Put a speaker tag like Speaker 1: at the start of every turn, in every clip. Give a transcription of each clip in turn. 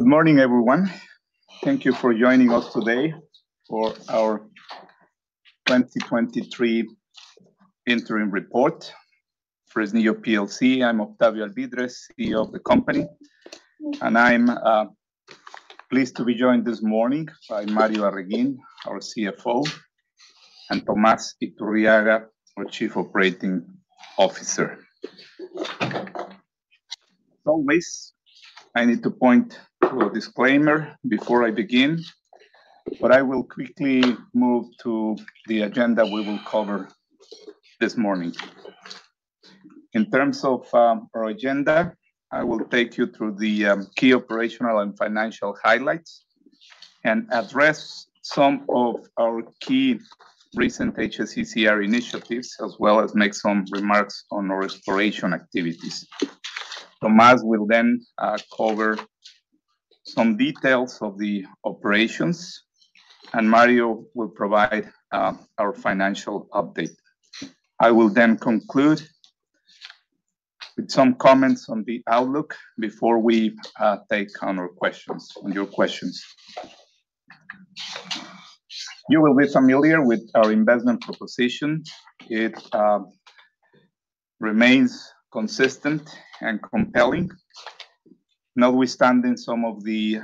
Speaker 1: Good morning, everyone. Thank you for joining us today for our 2023 interim report, Fresnillo PLC. I'm Octavio Alvídrez, CEO of the company, and I'm pleased to be joined this morning by Mario Arreguín, our CFO, and Tomás Iturriaga, our Chief Operating Officer. Always, I need to point to a disclaimer before I begin. I will quickly move to the agenda we will cover this morning. In terms of our agenda, I will take you through the key operational and financial highlights. Address some of our key recent HSCR initiatives, as well as make some remarks on our exploration activities. Tomás will then cover some details of the operations. Mario will provide our financial update. I will then conclude with some comments on the outlook before we take on our questions, on your questions. You will be familiar with our investment proposition. It remains consistent and compelling, notwithstanding some of the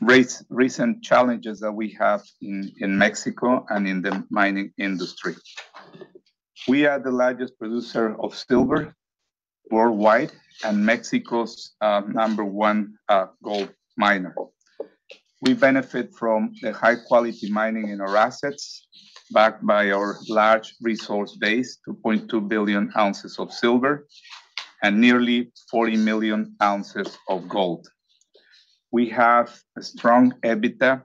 Speaker 1: recent challenges that we have in, in Mexico and in the mining industry. We are the largest producer of silver worldwide, and Mexico's number one gold miner. We benefit from the high-quality mining in our assets, backed by our large resource base, 2.2 billion ounces of silver and nearly 40 million ounces of gold. We have strong EBITDA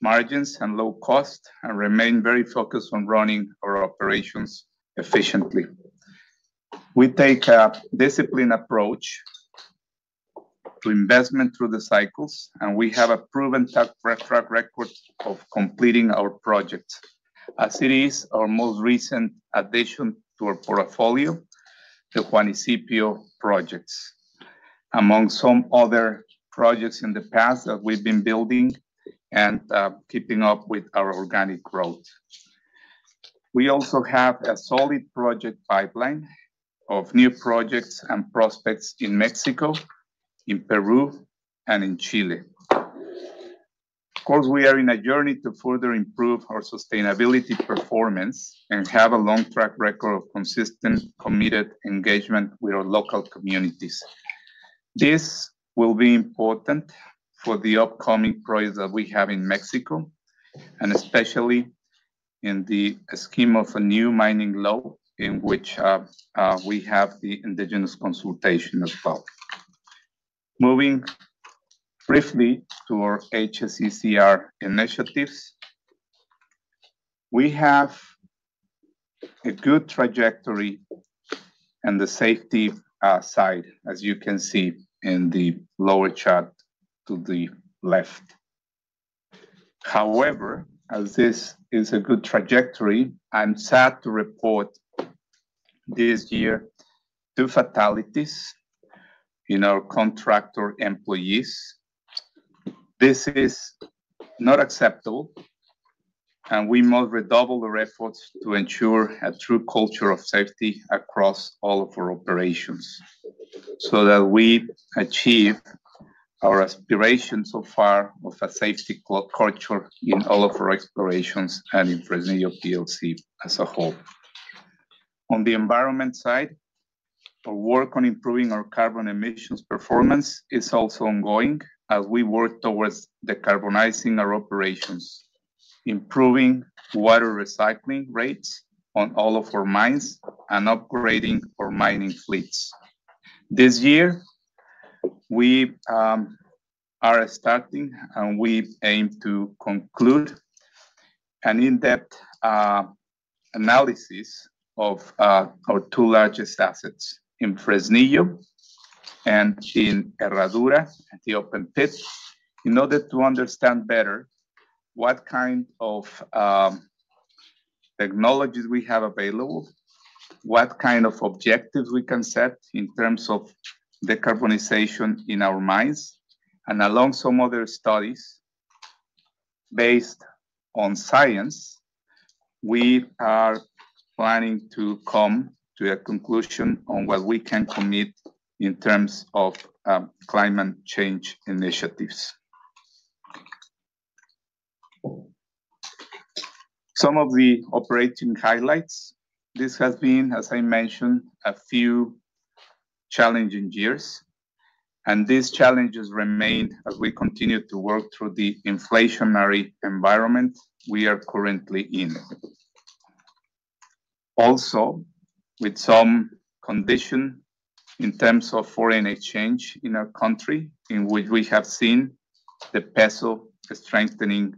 Speaker 1: margins and low cost, and remain very focused on running our operations efficiently. We take a disciplined approach to investment through the cycles, and we have a proven track record of completing our projects. As it is, our most recent addition to our portfolio, the Juanicipio projects, among some other projects in the past that we've been building and keeping up with our organic growth. We also have a solid project pipeline of new projects and prospects in Mexico, in Peru, and in Chile. Of course, we are in a journey to further improve our sustainability performance, and have a long track record of consistent, committed engagement with our local communities. This will be important for the upcoming projects that we have in Mexico, and especially in the scheme of a new mining law, in which we have the indigenous consultation as well. Moving briefly to our HSCR initiatives, we have a good trajectory in the safety side, as you can see in the lower chart to the left. However, as this is a good trajectory, I'm sad to report this year, 2 fatalities in our contractor employees. This is not acceptable, we must redouble our efforts to ensure a true culture of safety across all of our operations, so that we achieve our aspiration so far of a safety culture in all of our explorations and in Fresnillo plc as a whole. On the environment side, our work on improving our carbon emissions performance is also ongoing, as we work towards decarbonizing our operations, improving water recycling rates on all of our mines, and upgrading our mining fleets. This year, we are starting, we aim to conclude, an in-depth analysis of our two largest assets in Fresnillo and in Herradura, at the open pit, in order to understand better what kind of technologies we have available, what kind of objectives we can set in terms of decarbonization in our mines. Along some other studies based on science, we are planning to come to a conclusion on what we can commit in terms of climate change initiatives. Some of the operating highlights. This has been, as I mentioned, a few challenging years, and these challenges remain as we continue to work through the inflationary environment we are currently in. With some condition in terms of foreign exchange in our country, in which we have seen the peso strengthening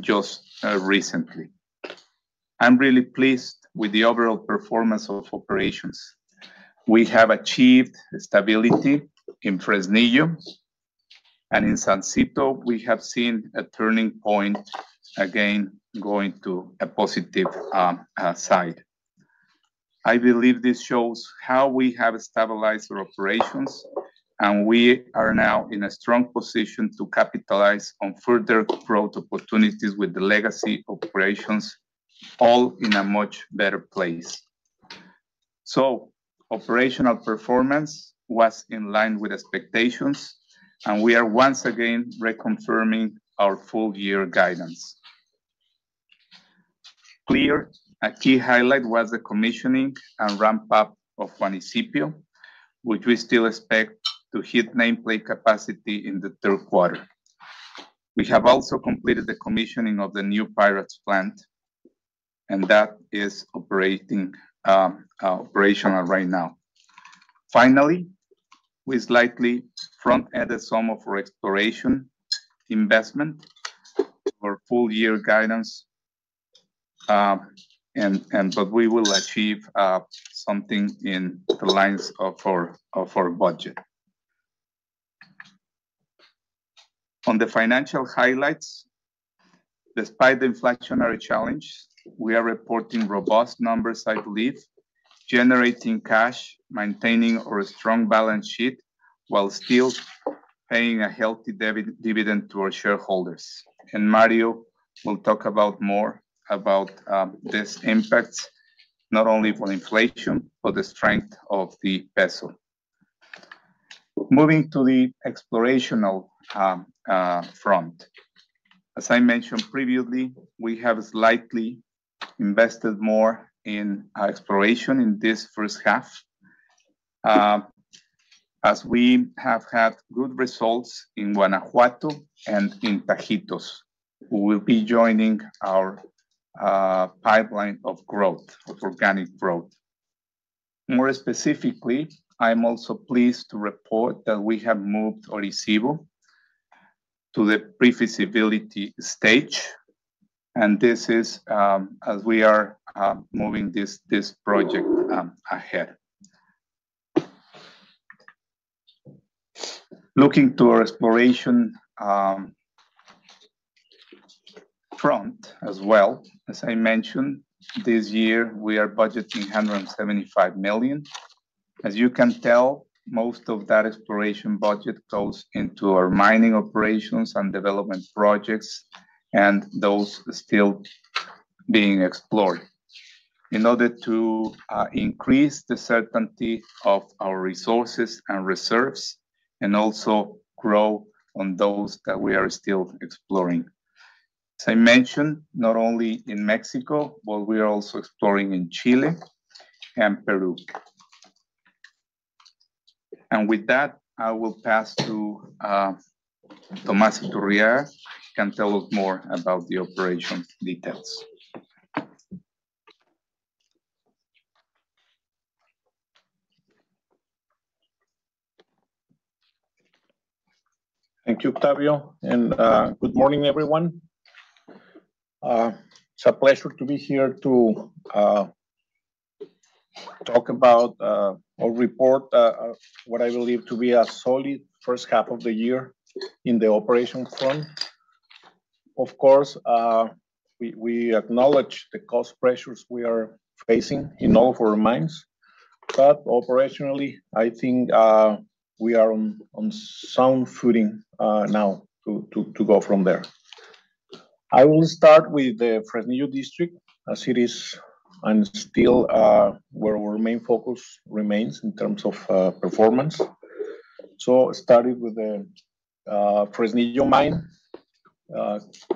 Speaker 1: just recently. I'm really pleased with the overall performance of operations. We have achieved stability in Fresnillo, and in Saucito, we have seen a turning point again, going to a positive side. I believe this shows how we have stabilized our operations, and we are now in a strong position to capitalize on further growth opportunities with the legacy operations, all in a much better place. Operational performance was in line with expectations, and we are once again reconfirming our full-year guidance. Clearly, a key highlight was the commissioning and ramp-up of Juanicipio, which we still expect to hit nameplate capacity in the Q3. We have also completed the commissioning of the new Pyrites Plant, and that is operating operational right now. Finally, we slightly front-ended some of our exploration investment our full-year guidance, but we will achieve something in the lines of our, of our budget. On the financial highlights, despite the inflationary challenge, we are reporting robust numbers, I believe, generating cash, maintaining our strong balance sheet, while still paying a healthy dividend to our shareholders. Mario will talk about more about these impacts, not only for inflation, but the strength of the peso. Moving to the explorational front. As I mentioned previously, we have slightly invested more in our exploration in this first half. As we have had good results in Guanajuato and in Tajitos, who will be joining our pipeline of growth, of organic growth. More specifically, I'm also pleased to report that we have moved Orisyvo to the pre-feasibility stage, and this is, as we are moving this, this project ahead. Looking to our exploration front as well, as I mentioned, this year we are budgeting $175 million. As you can tell, most of that exploration budget goes into our mining operations and development projects, and those still being explored. In order to increase the certainty of our resources and reserves, and also grow on those that we are still exploring. As I mentioned, not only in Mexico, but we are also exploring in Chile and Peru. With that, I will pass to Tomás Iturriaga, who can tell us more about the operation details.
Speaker 2: Thank you, Octavio, and good morning, everyone. It's a pleasure to be here to talk about or report what I believe to be a solid first half of the year in the operations front. Of course, we, we acknowledge the cost pressures we are facing in all of our mines, but operationally, I think, we are on sound footing now to go from there. I will start with the Fresnillo district, as it is and still where our main focus remains in terms of performance. Starting with the Fresnillo mine.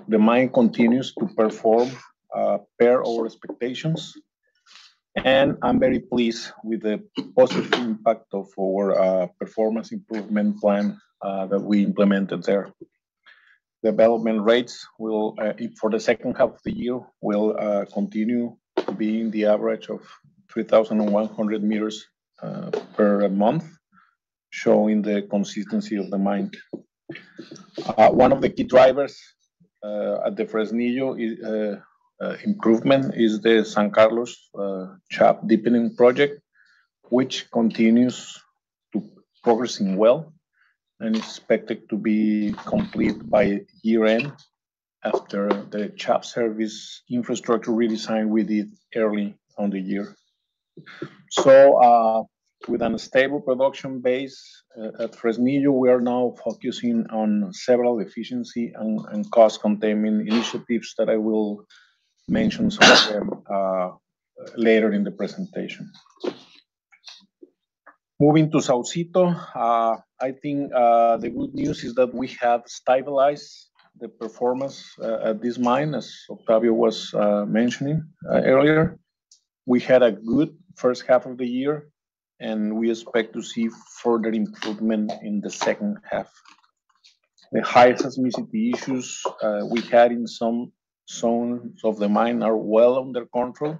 Speaker 2: The mine continues to perform per our expectations, and I'm very pleased with the positive impact of our performance improvement plan that we implemented there. Development rates will, for the second half of the year, will continue being the average of 3,100 meters per month, showing the consistency of the mine. One of the key drivers at the Fresnillo is improvement is the San Carlos shaft deepening project, which continues to progressing well, and expected to be complete by year-end after the shaft service infrastructure redesign we did early on the year. With a stable production base at Fresnillo, we are now focusing on several efficiency and cost-containment initiatives that I will mention some of them later in the presentation. Moving to Saucito, I think the good news is that we have stabilized the performance at this mine, as Octavio was mentioning earlier. We had a good first half of the year, we expect to see further improvement in the second half. The high seismicity issues we had in some zones of the mine are well under control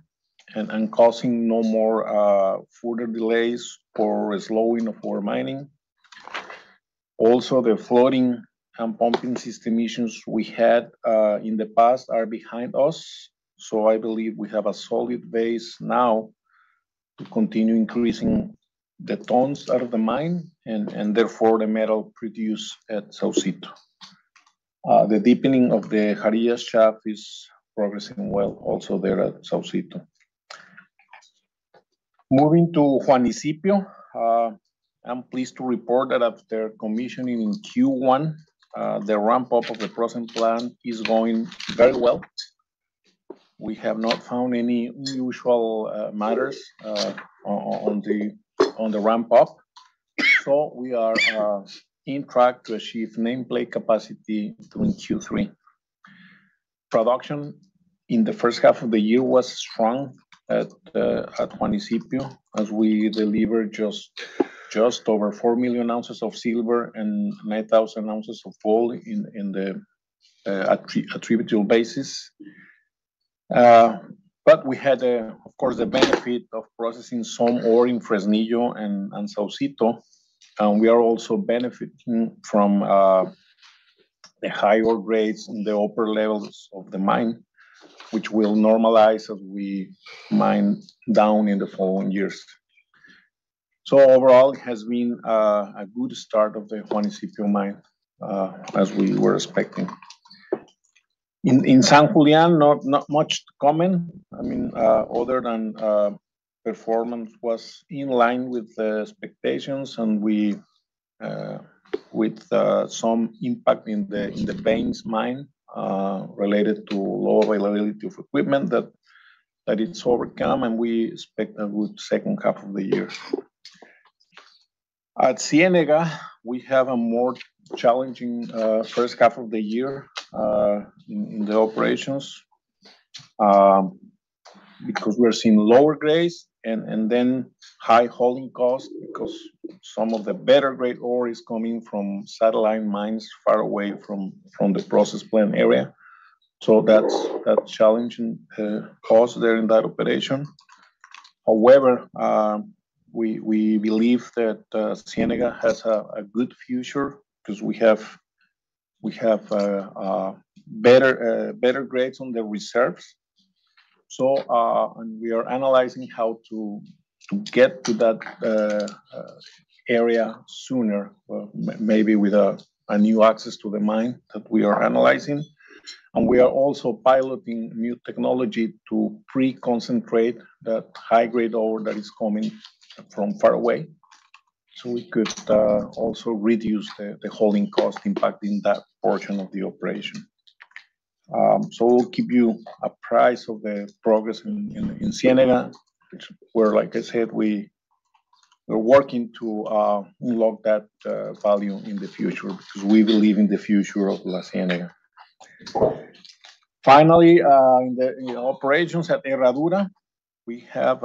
Speaker 2: and causing no more further delays or slowing of our mining. Also, the flooding and pumping system issues we had in the past are behind us, I believe we have a solid base now to continue increasing the tonnes out of the mine, and therefore, the metal produced at Saucito. The deepening of the Jarillas shaft is progressing well also there at Saucito. Moving to Juanicipio, I'm pleased to report that after commissioning in Q1, the ramp-up of the processing plant is going very well. We have not found any unusual matters on the ramp-up. We are in track to achieve nameplate capacity during Q3. Production in the first half of the year was strong at Juanicipio, as we delivered just over 4 million ounces of silver and 9,000 ounces of gold in the attributable basis. But we had, of course, the benefit of processing some ore in Fresnillo and Saucito, and we are also benefiting from the higher grades in the upper levels of the mine, which will normalize as we mine down in the following years. Overall, it has been a good start of the Juanicipio mine, as we were expecting. In San Julián, not much to comment. I mean, other than performance was in line with the expectations, and we, with some impact in the veins mine, related to low availability of equipment that it's overcome, and we expect a good second half of the year. At Cienega, we have a more challenging first half of the year in the operations, because we're seeing lower grades and then high hauling costs, because some of the better-grade ore is coming from satellite mines far away from the process plant area. That's a challenging cost there in that operation. However, we believe that Cienega has a good future, 'cause we have, we have better grades on the reserves. We are analyzing how to get to that area sooner, or maybe with a new access to the mine that we are analyzing. We are also piloting new technology to pre-concentrate that high-grade ore that is coming from far away, so we could also reduce the hauling cost impact in that portion of the operation. We'll keep you apprised of the progress in Cienega, where, like I said, we are working to unlock that value in the future, because we believe in the future of La Cienega. Finally, in the operations at Herradura, we have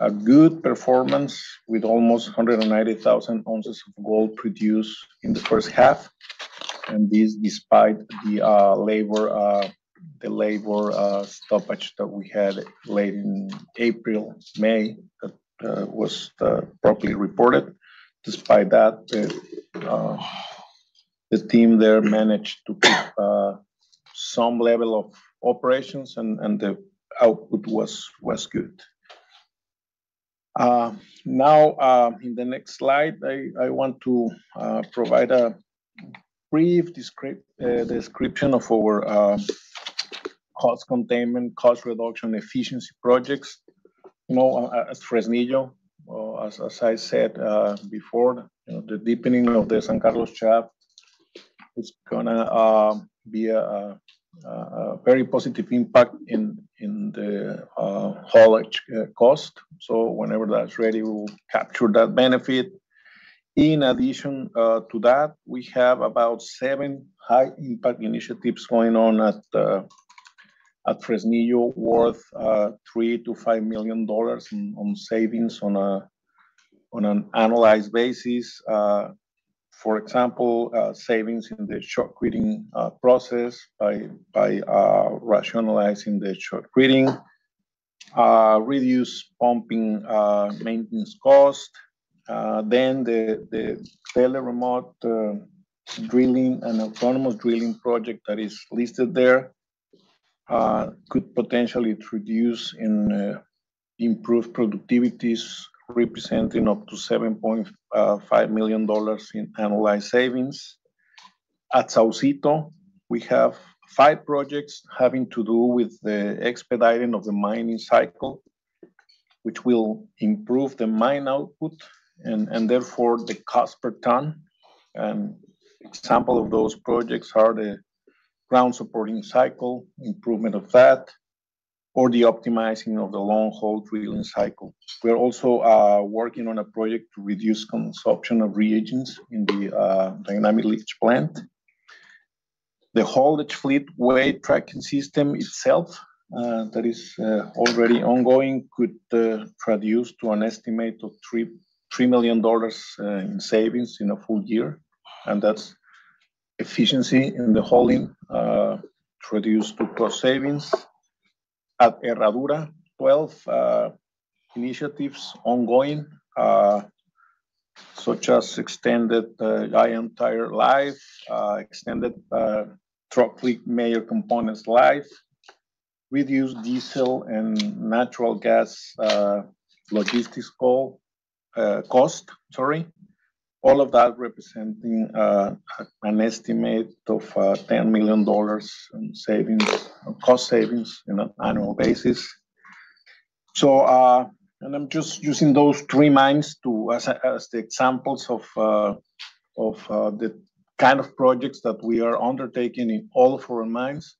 Speaker 2: a good performance with almost 190,000 ounces of gold produced in the first half, this despite the labor, the labor stoppage that we had late in April, May, that was properly reported. Despite that, the team there managed to keep some level of operations, and the output was good. Now, in the next slide, I want to provide a brief description of our cost containment, cost reduction, efficiency projects. More at Fresnillo, as I said before, you know, the deepening of the San Carlos shaft is gonna be a very positive impact in the haulage cost. Whenever that's ready, we will capture that benefit. In addition, to that, we have about 7 high-impact initiatives going on at Fresnillo, worth $3-$5 million on savings on an annualized basis. For example, savings in the shotcreting process by rationalizing the shotcreting. Reduce pumping maintenance costs. The tele-remote drilling and autonomous drilling project that is listed there, could potentially introduce and improve productivities, representing up to $7.5 million in annualized savings. At Saucito, we have 5 projects having to do with the expediting of the mining cycle, which will improve the mine output and, therefore, the cost per tonne. Example of those projects are the ground supporting cycle, improvement of that, or the optimizing of the long-haul drilling cycle. We are also working on a project to reduce consumption of reagents in the dynamic leach plant. The haulage fleet weight tracking system itself, that is already ongoing, could produce to an estimate of $3 million in savings in a full year. That's efficiency in the hauling produced through cost savings. At Herradura, 12 initiatives ongoing, such as extended tyre entire life, extended truck fleet major components life, reduced diesel and natural gas logistics call cost, sorry. All of that representing an estimate of $10 million in savings, cost savings in an annual basis. And I'm just using those three mines as the examples of the kind of projects that we are undertaking in all four mines,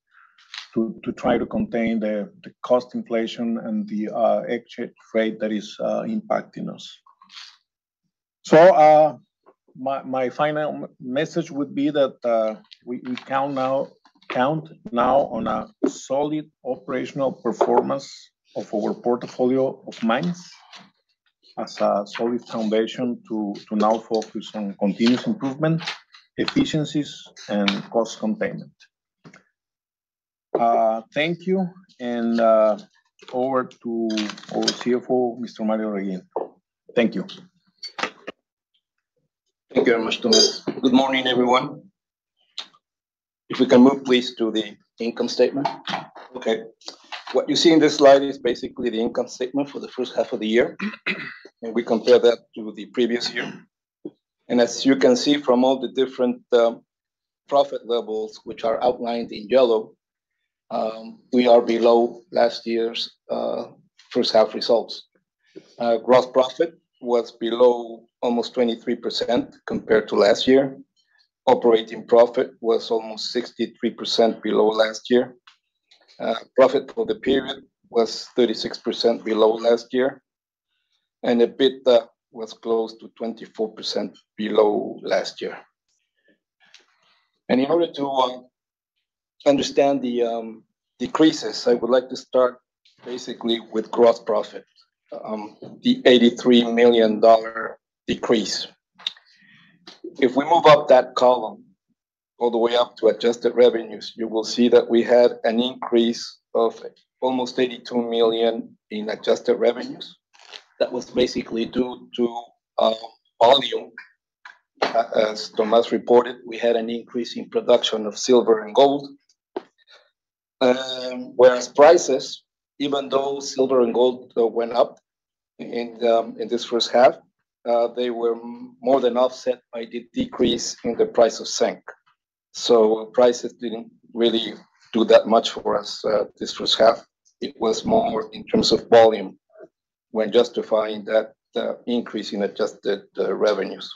Speaker 2: to try to contain the cost inflation and the exchange rate that is impacting us. My final message would be that we count now on a solid operational performance of our portfolio of mines, as a solid foundation to now focus on continuous improvement, efficiencies, and cost containment. Thank you, and over to our CFO, Mr. Mario Arreguín. Thank you.
Speaker 3: Thank you very much, Tomás. Good morning, everyone. If we can move, please, to the income statement. What you see in this slide is basically the income statement for the first half of the year, and we compare that to the previous year. As you can see from all the different profit levels, which are outlined in yellow, we are below last year's first half results. Gross profit was below almost 23% compared to last year. Operating profit was almost 63% below last year. Profit for the period was 36% below last year, and the EBITDA was close to 24% below last year. In order to understand the decreases, I would like to start basically with gross profit, the $83 million decrease. If we move up that column, all the way up to adjusted revenues, you will see that we had an increase of almost $82 million in adjusted revenues. That was basically due to volume. As Tomás reported, we had an increase in production of silver and gold. Whereas prices, even though silver and gold went up in this first half, they were more than offset by the decrease in the price of zinc. Prices didn't really do that much for us this first half. It was more in terms of volume, when justifying that increase in adjusted revenues.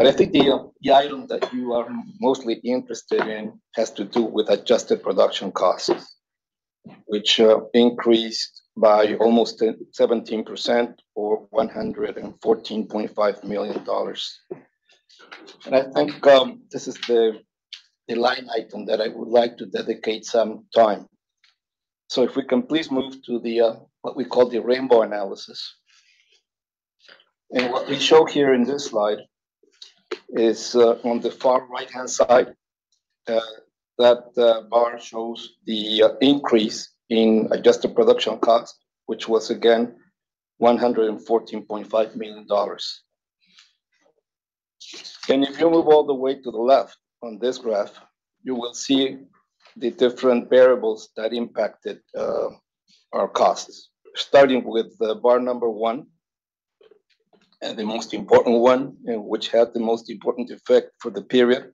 Speaker 3: I think the item that you are mostly interested in has to do with adjusted production costs, which increased by almost 17%, or $114.5 million. I think this is the line item that I would like to dedicate some time. If we can please move to what we call the rainbow analysis. What we show here in this slide is on the far right-hand side, that bar shows the increase in adjusted production costs, which was again $114.5 million. If you move all the way to the left on this graph, you will see the different variables that impacted our costs. Starting with the bar 1, and the most important one, and which had the most important effect for the period,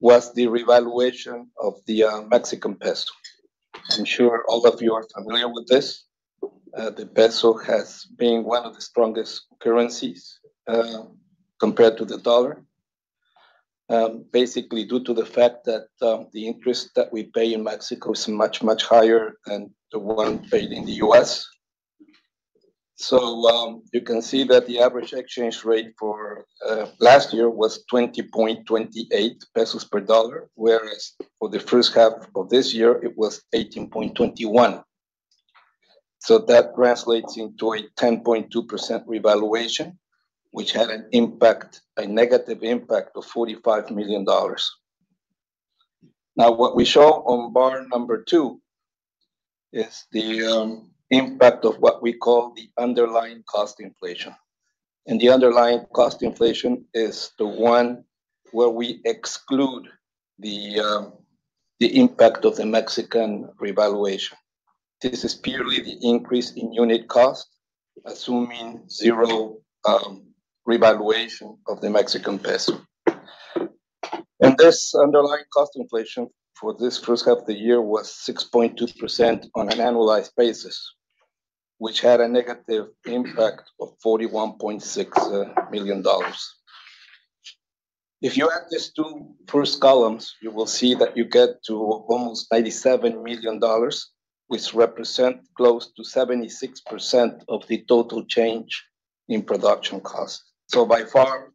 Speaker 3: was the revaluation of the Mexican peso. I'm sure all of you are familiar with this. The peso has been one of the strongest currencies compared to the dollar. Basically, due to the fact that the interest that we pay in Mexico is much, much higher than the one paid in the US. You can see that the average exchange rate for last year was 20.28 pesos per dollar, whereas for the first half of this year, it was 18.21. That translates into a 10.2% revaluation, which had an impact, a negative impact of $45 million. What we show on bar number 2 is the impact of what we call the underlying cost inflation. The underlying cost inflation is the one where we exclude the impact of the Mexican revaluation. This is purely the increase in unit cost, assuming zero revaluation of the Mexican peso. This underlying cost inflation for this first half of the year was 6.2% on an annualized basis, which had a negative impact of $41.6 million. If you add these two first columns, you will see that you get to almost $87 million, which represent close to 76% of the total change in production cost. By far,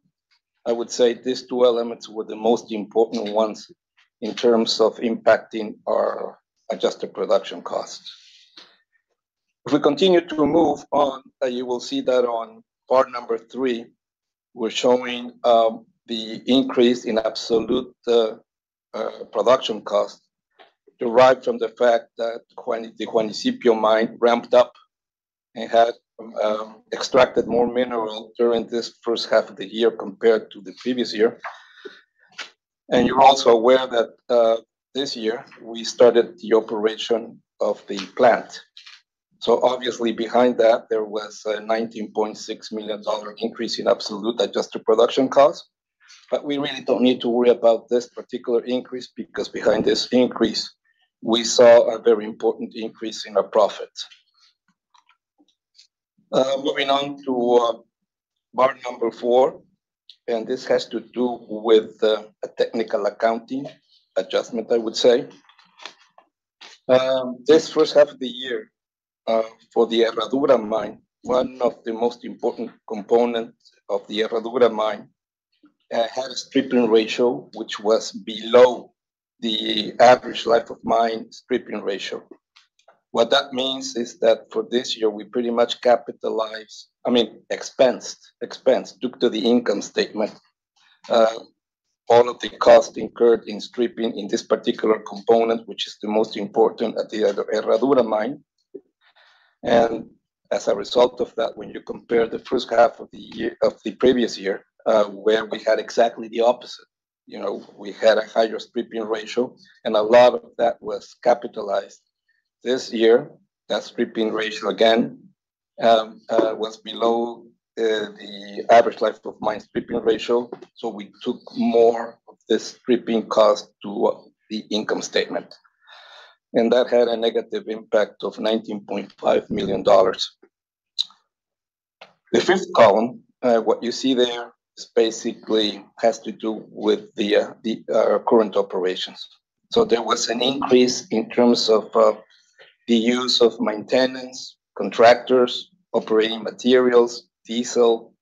Speaker 3: I would say these two elements were the most important ones in terms of impacting our adjusted production cost. If we continue to move on, you will see that on bar number 3, we're showing the increase in absolute production cost, derived from the fact that the Juanicipio mine ramped up and had extracted more mineral during this first half of the year compared to the previous year. You're also aware that this year we started the operation of the plant. Obviously behind that, there was a $19.6 million increase in absolute adjusted production costs. We really don't need to worry about this particular increase, because behind this increase, we saw a very important increase in our profit. Moving on to bar number 4, and this has to do with a technical accounting adjustment, I would say. This first half of the year, for the Herradura mine, one of the most important components of the Herradura mine, had a stripping ratio which was below the average life of mine stripping ratio. What that means is that for this year, we pretty much capitalized, I mean, expense, expense, took to the income statement, all of the costs incurred in stripping in this particular component, which is the most important at the Herradura mine. As a result of that, when you compare the first half of the previous year, where we had exactly the opposite, you know, we had a higher stripping ratio, and a lot of that was capitalized. This year, that stripping ratio again was below the average life of mine stripping ratio, so we took more of the stripping cost to the income statement, and that had a negative impact of $19.5 million. The fifth column, what you see there is basically has to do with the current operations. There was an increase in terms of the use of maintenance, contractors, operating materials, diesel.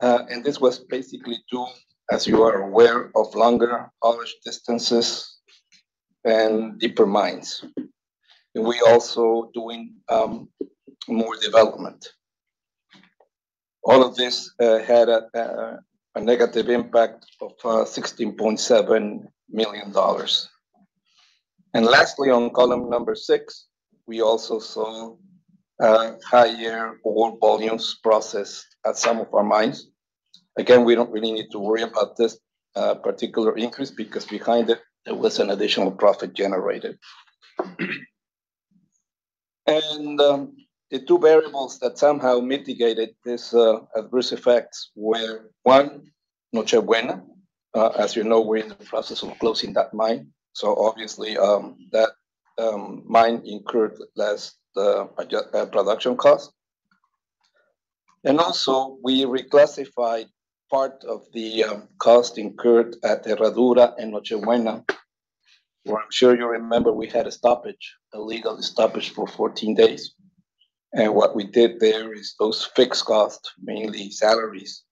Speaker 3: This was basically due, as you are aware, of longer haulage distances and deeper mines. We also doing more development. All of this had a negative impact of $16.7 million. Lastly, on column number 6, we also saw higher ore volumes processed at some of our mines. We don't really need to worry about this particular increase, because behind it, there was an additional profit generated. The two variables that somehow mitigated this adverse effects were, 1, Noche Buena. As you know, we're in the process of closing that mine, so obviously, that mine incurred less production cost. Also, we reclassified part of the cost incurred at Herradura and Noche Buena, where I'm sure you remember we had a stoppage, illegal stoppage for 14 days. What we did there is those fixed costs, mainly salaries,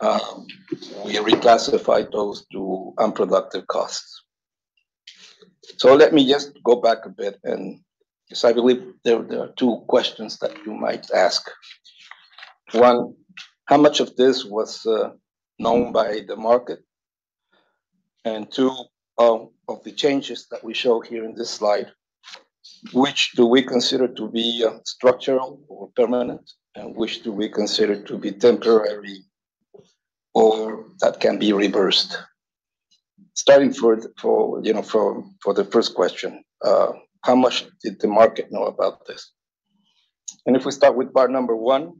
Speaker 3: we reclassified those to unproductive costs. Let me just go back a bit, and because I believe there, there are two questions that you might ask. One, how much of this was known by the market? Two, of the changes that we show here in this slide, which do we consider to be structural or permanent, and which do we consider to be temporary or that can be reversed? Starting for, for, you know, for, for the first question, how much did the market know about this? If we start with bar number 1,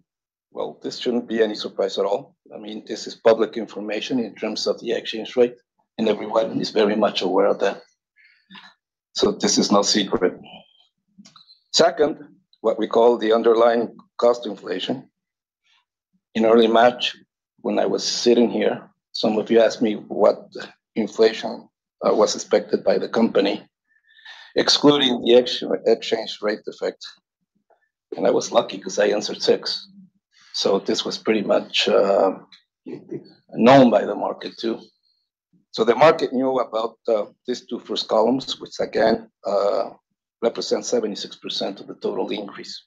Speaker 3: well, this shouldn't be any surprise at all. I mean, this is public information in terms of the exchange rate, and everyone is very much aware of that. This is no secret. Second, what we call the underlying cost inflation. In early March, when I was sitting here, some of you asked me what inflation was expected by the company, excluding the exchange rate effect. I was lucky, 'cause I answered 6. This was pretty much known by the market, too. The market knew about these two first columns, which again represent 76% of the total increase.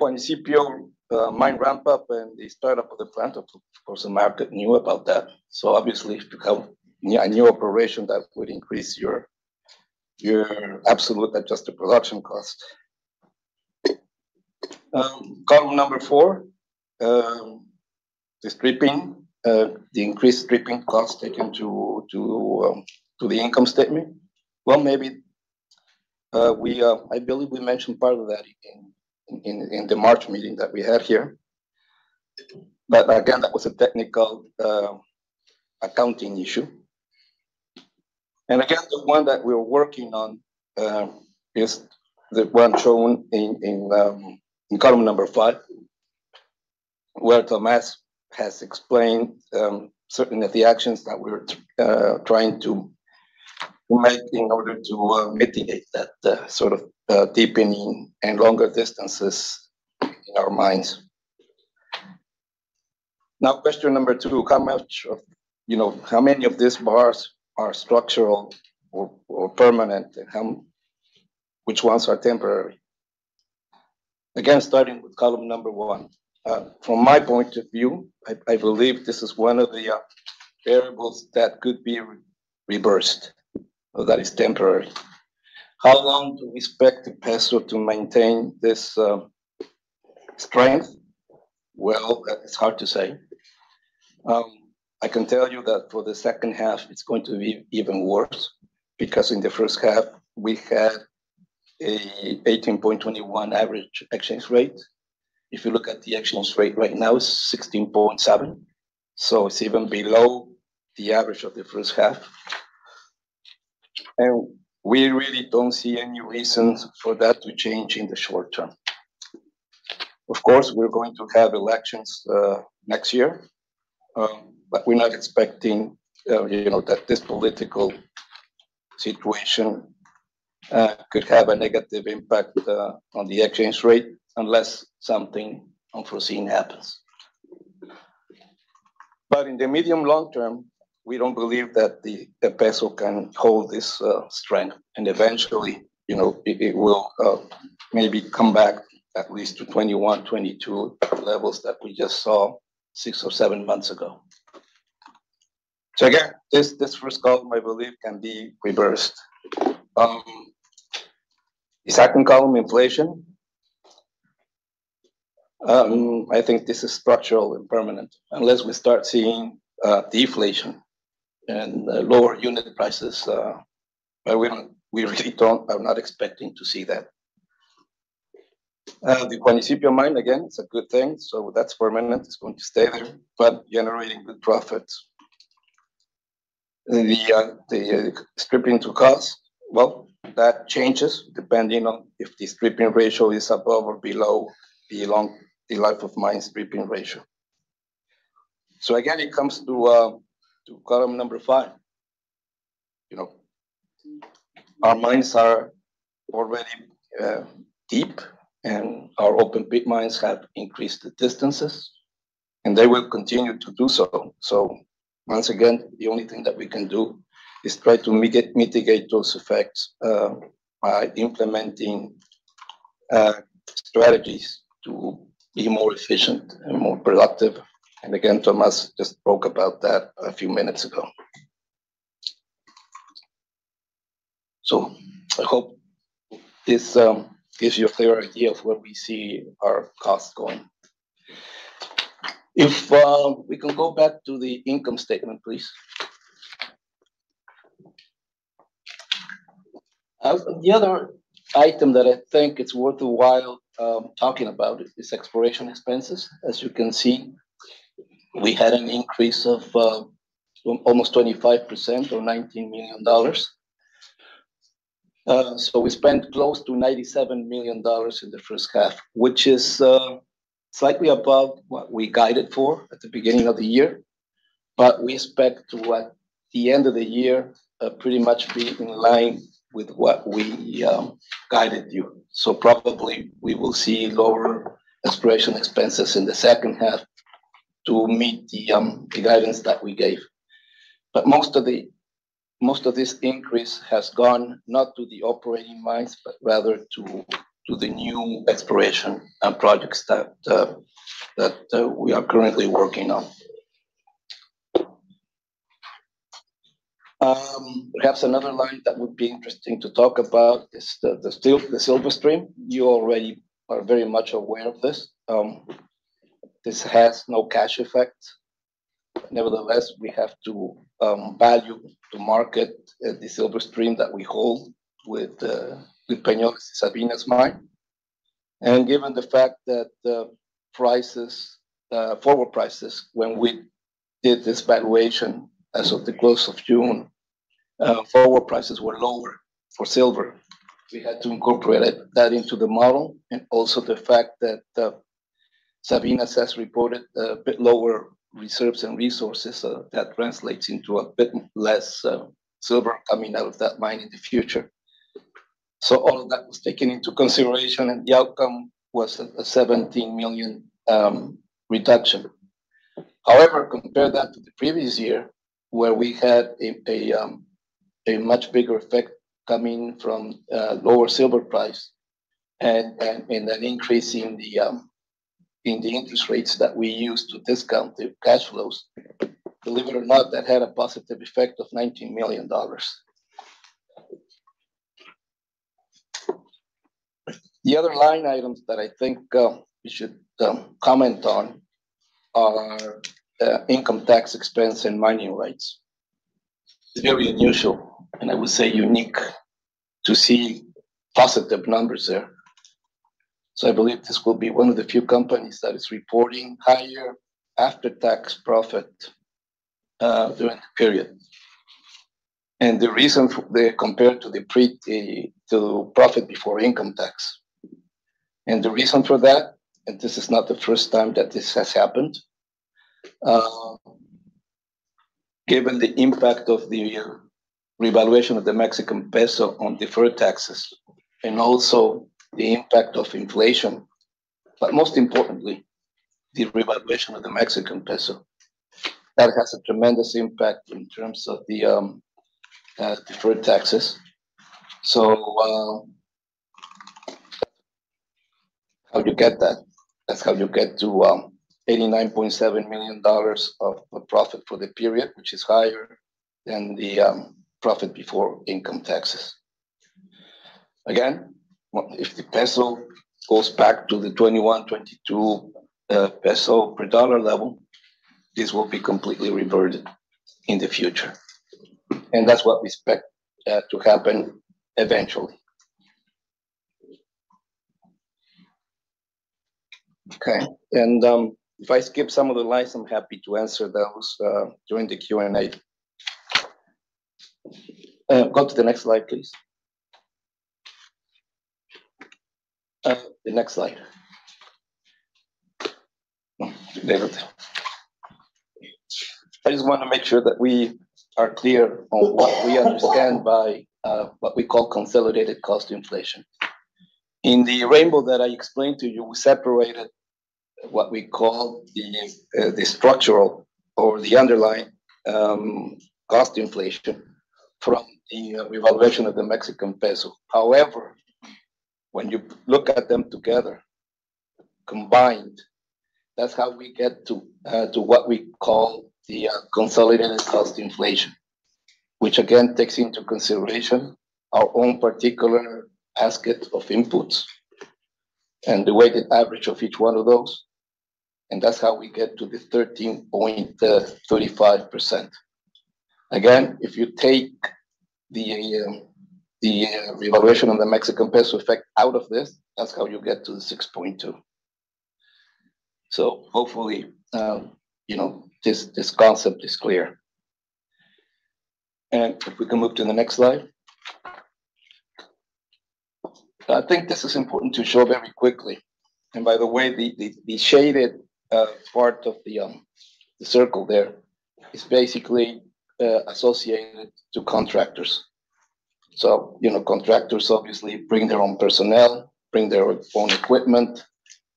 Speaker 3: On the CPO mine ramp-up and the startup of the plant, of course, the market knew about that. Obviously, if you have a new operation, that would increase your absolute adjusted production cost. Column 4, the stripping, the increased stripping cost taken to, to, to the income statement. Well, maybe, we I believe we mentioned part of that in, in, in the March meeting that we had here. Again, that was a technical, accounting issue. Again, the one that we're working on, is the one shown in, in, in column 5, where Tomás has explained, certainly the actions that we're t- trying to make in order to, mitigate that, sort of, deepening and longer distances in our mines. Now, question 2: How much of you know, how many of these bars are structural or, or permanent, and how which ones are temporary? Again, starting with column 1. From my point of view, I, I believe this is one of the variables that could be re-reversed, or that is temporary. How long do we expect the peso to maintain this strength? Well, that is hard to say. I can tell you that for the second half, it's going to be even worse, because in the first half, we had a 18.21 average exchange rate. If you look at the exchange rate right now, it's 16.7, so it's even below the average of the first half. We really don't see any reasons for that to change in the short term. Of course, we're going to have elections next year, but we're not expecting, you know, that this political situation could have a negative impact on the exchange rate, unless something unforeseen happens. in the medium long term, we don't believe that the, the peso can hold this strength, and eventually, you know, it, it will maybe come back at least to 21, 22 levels that we just saw 6 or 7 months ago. This, this first column, I believe, can be reversed. The second column, inflation. I think this is structural and permanent, unless we start seeing deflation and lower unit prices, but we are not expecting to see that. The Juanicipio mine, again, it's a good thing, so that's permanent. It's going to stay there, but generating good profits. The stripping to costs, well, that changes depending on if the stripping ratio is above or below the life of mine stripping ratio. It comes to column number 5. You know, our mines are already deep, our open pit mines have increased the distances, and they will continue to do so. Once again, the only thing that we can do is try to mitigate, mitigate those effects by implementing strategies to be more efficient and more productive. Again, Tomás just spoke about that a few minutes ago. I hope this gives you a clear idea of where we see our costs going. If we can go back to the income statement, please. The other item that I think it's worth a while talking about is exploration expenses. As you can see, we had an increase of almost 25% or $19 million. We spent close to $97 million in the first half, which is slightly above what we guided for at the beginning of the year. We expect to, at the end of the year, pretty much be in line with what we guided you. Probably we will see lower exploration expenses in the second half to meet the guidance that we gave. Most of this increase has gone not to the operating mines, but rather to, to the new exploration and projects that we are currently working on. Perhaps another line that would be interesting to talk about is the silver stream. You already are very much aware of this. This has no cash effect. Nevertheless, we have to value the market at the silver stream that we hold with Peñoles Sabinas mine. Given the fact that the prices, forward prices, when we did this valuation, as of the close of June, forward prices were lower for silver. We had to incorporate that into the model, and also the fact that Sabinas has reported a bit lower reserves and resources, that translates into a bit less silver coming out of that mine in the future. All of that was taken into consideration, and the outcome was a $17 million reduction. However, compare that to the previous year, where we had a, a much bigger effect coming from lower silver price and, and an increase in the interest rates that we used to discount the cash flows. Believe it or not, that had a positive effect of $19 million. The other line items that I think we should comment on are income tax expense and mining rights. It's very unusual, and I would say unique, to see positive numbers there. I believe this will be one of the few companies that is reporting higher after-tax profit during the period. The reason they're compared to the profit before income tax. The reason for that, and this is not the first time that this has happened, given the impact of the revaluation of the Mexican peso on deferred taxes, and also the impact of inflation, but most importantly, the revaluation of the Mexican peso. That has a tremendous impact in terms of the deferred taxes. How do you get that? That's how you get to $89.7 million of profit for the period, which is higher than the profit before income taxes. If the peso goes back to the 21-22 peso per dollar level, this will be completely reverted in the future, and that's what we expect to happen eventually. And if I skip some of the slides, I'm happy to answer those during the Q&A. Go to the next slide, please. The next slide. David. I just wanna make sure that we are clear on what we understand by what we call consolidated cost inflation. In the Rainbow that I explained to you, we separated what we call the structural or the underlying cost inflation from the revaluation of the Mexican peso. When you look at them together, combined, that's how we get to what we call the consolidated cost inflation, which again, takes into consideration our own particular basket of inputs, and the weighted average of each one of those, and that's how we get to the 13.35%. If you take the revaluation of the Mexican peso effect out of this, that's how you get to the 6.2. Hopefully, you know, this, this concept is clear. If we can move to the next slide. I think this is important to show very quickly, and by the way, the, the, the shaded part of the circle there is basically associated to contractors. You know, contractors obviously bring their own personnel, bring their own equipment,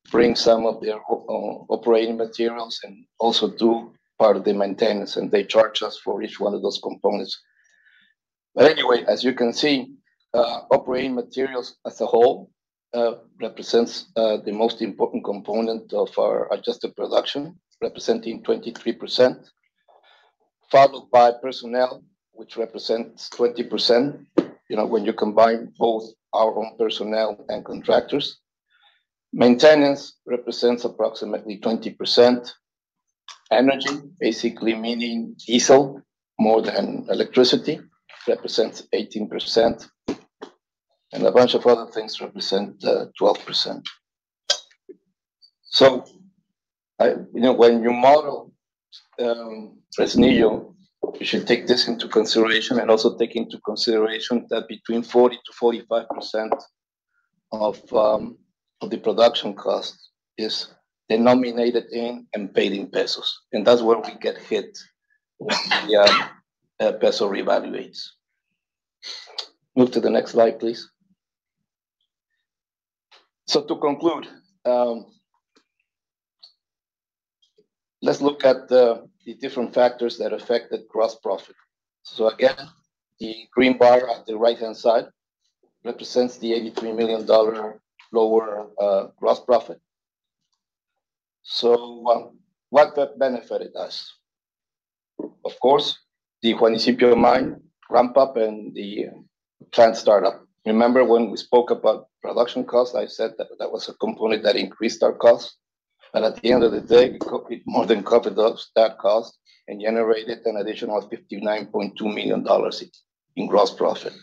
Speaker 3: bring some of their own operating materials, and also do part of the maintenance, and they charge us for each one of those components. Anyway, as you can see, operating materials as a whole represents the most important component of our adjusted production, representing 23%. Followed by personnel, which represents 20%, you know, when you combine both our own personnel and contractors. Maintenance represents approximately 20%. Energy, basically meaning diesel more than electricity, represents 18%, and a bunch of other things represent 12%. You know, when you model Fresnillo, you should take this into consideration, and also take into consideration that between 40%-45% of the production cost is denominated in and paid in pesos, and that's where we get hit when the peso revaluates. Move to the next slide, please. To conclude, let's look at the different factors that affected gross profit. Again, the green bar at the right-hand side represents the $83 million lower gross profit. What benefited us? Of course, the Juanicipio mine ramp-up and the plant start-up. Remember when we spoke about production cost, I said that that was a component that increased our cost, but at the end of the day, we more than covered up that cost, and generated an additional $59.2 million in, in gross profit.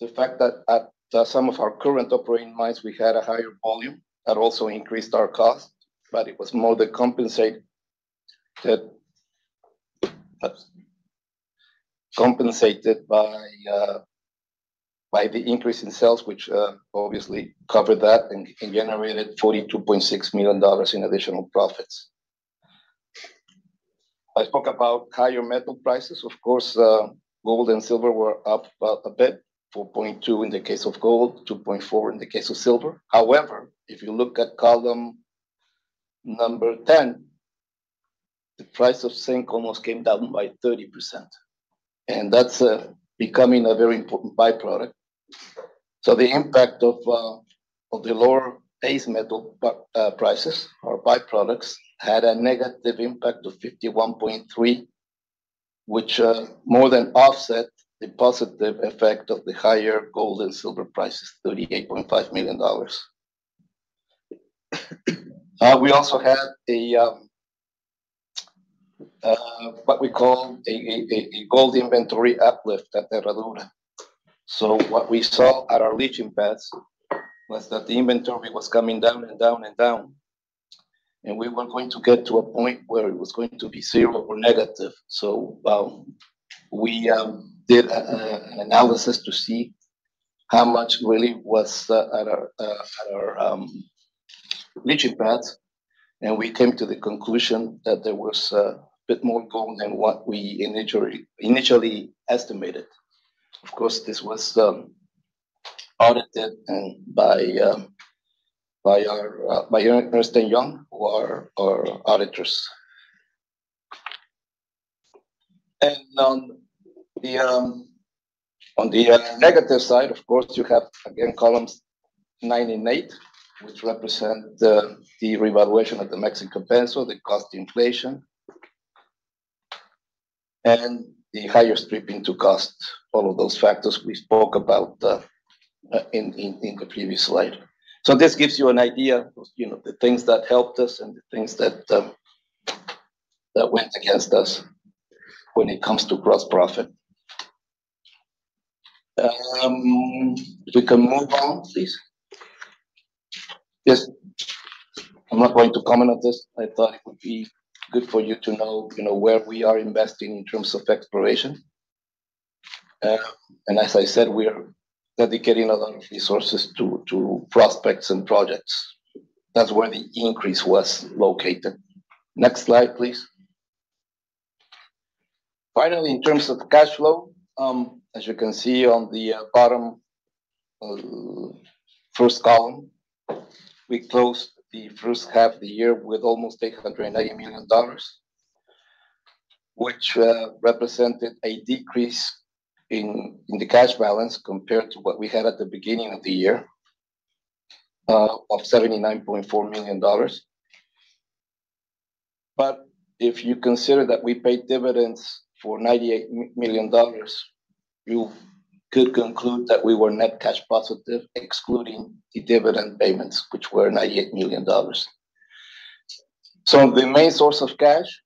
Speaker 3: The fact that at some of our current operating mines, we had a higher volume, that also increased our cost, but it was more than compensated by the increase in sales, which obviously covered that, and, and generated $42.6 million in additional profits. I spoke about higher metal prices. Of course, gold and silver were up a bit, 4.2 in the case of gold, 2.4 in the case of silver. If you look at column number 10, the price of zinc almost came down by 30%, and that's becoming a very important by-product. The impact of the lower base metal prices or by-products, had a negative impact of 51.3, which more than offset the positive effect of the higher gold and silver prices, $38.5 million. We also had what we call a gold inventory uplift at Herradura. What we saw at our leaching pads was that the inventory was coming down, and down, and down, and we were going to get to a point where it was going to be zero or negative. We did an analysis to see how much really was at our at our leaching pads, and we came to the conclusion that there was a bit more gold than what we initially, initially estimated. Of course, this was audited and by our by Ernst & Young, who are our auditors. On the on the negative side, of course, you have, again, columns 9 and 8, which represent the revaluation of the Mexican peso, the cost inflation, and the higher stripping to cost. All of those factors we spoke about in in in the previous slide. This gives you an idea of, you know, the things that helped us and the things that went against us when it comes to gross profit. We can move on, please. Yes, I'm not going to comment on this. I thought it would be good for you to know, you know, where we are investing in terms of exploration. As I said, we are dedicating a lot of resources to, to prospects and projects. That's where the increase was located. Next slide, please. Finally, in terms of cash flow, as you can see on the bottom, first column, we closed the first half of the year with almost $880 million, which represented a decrease in, in the cash balance compared to what we had at the beginning of the year, of $79.4 million. If you consider that we paid dividends for $98 million, you could conclude that we were net cash positive, excluding the dividend payments, which were $98 million. The main source of cash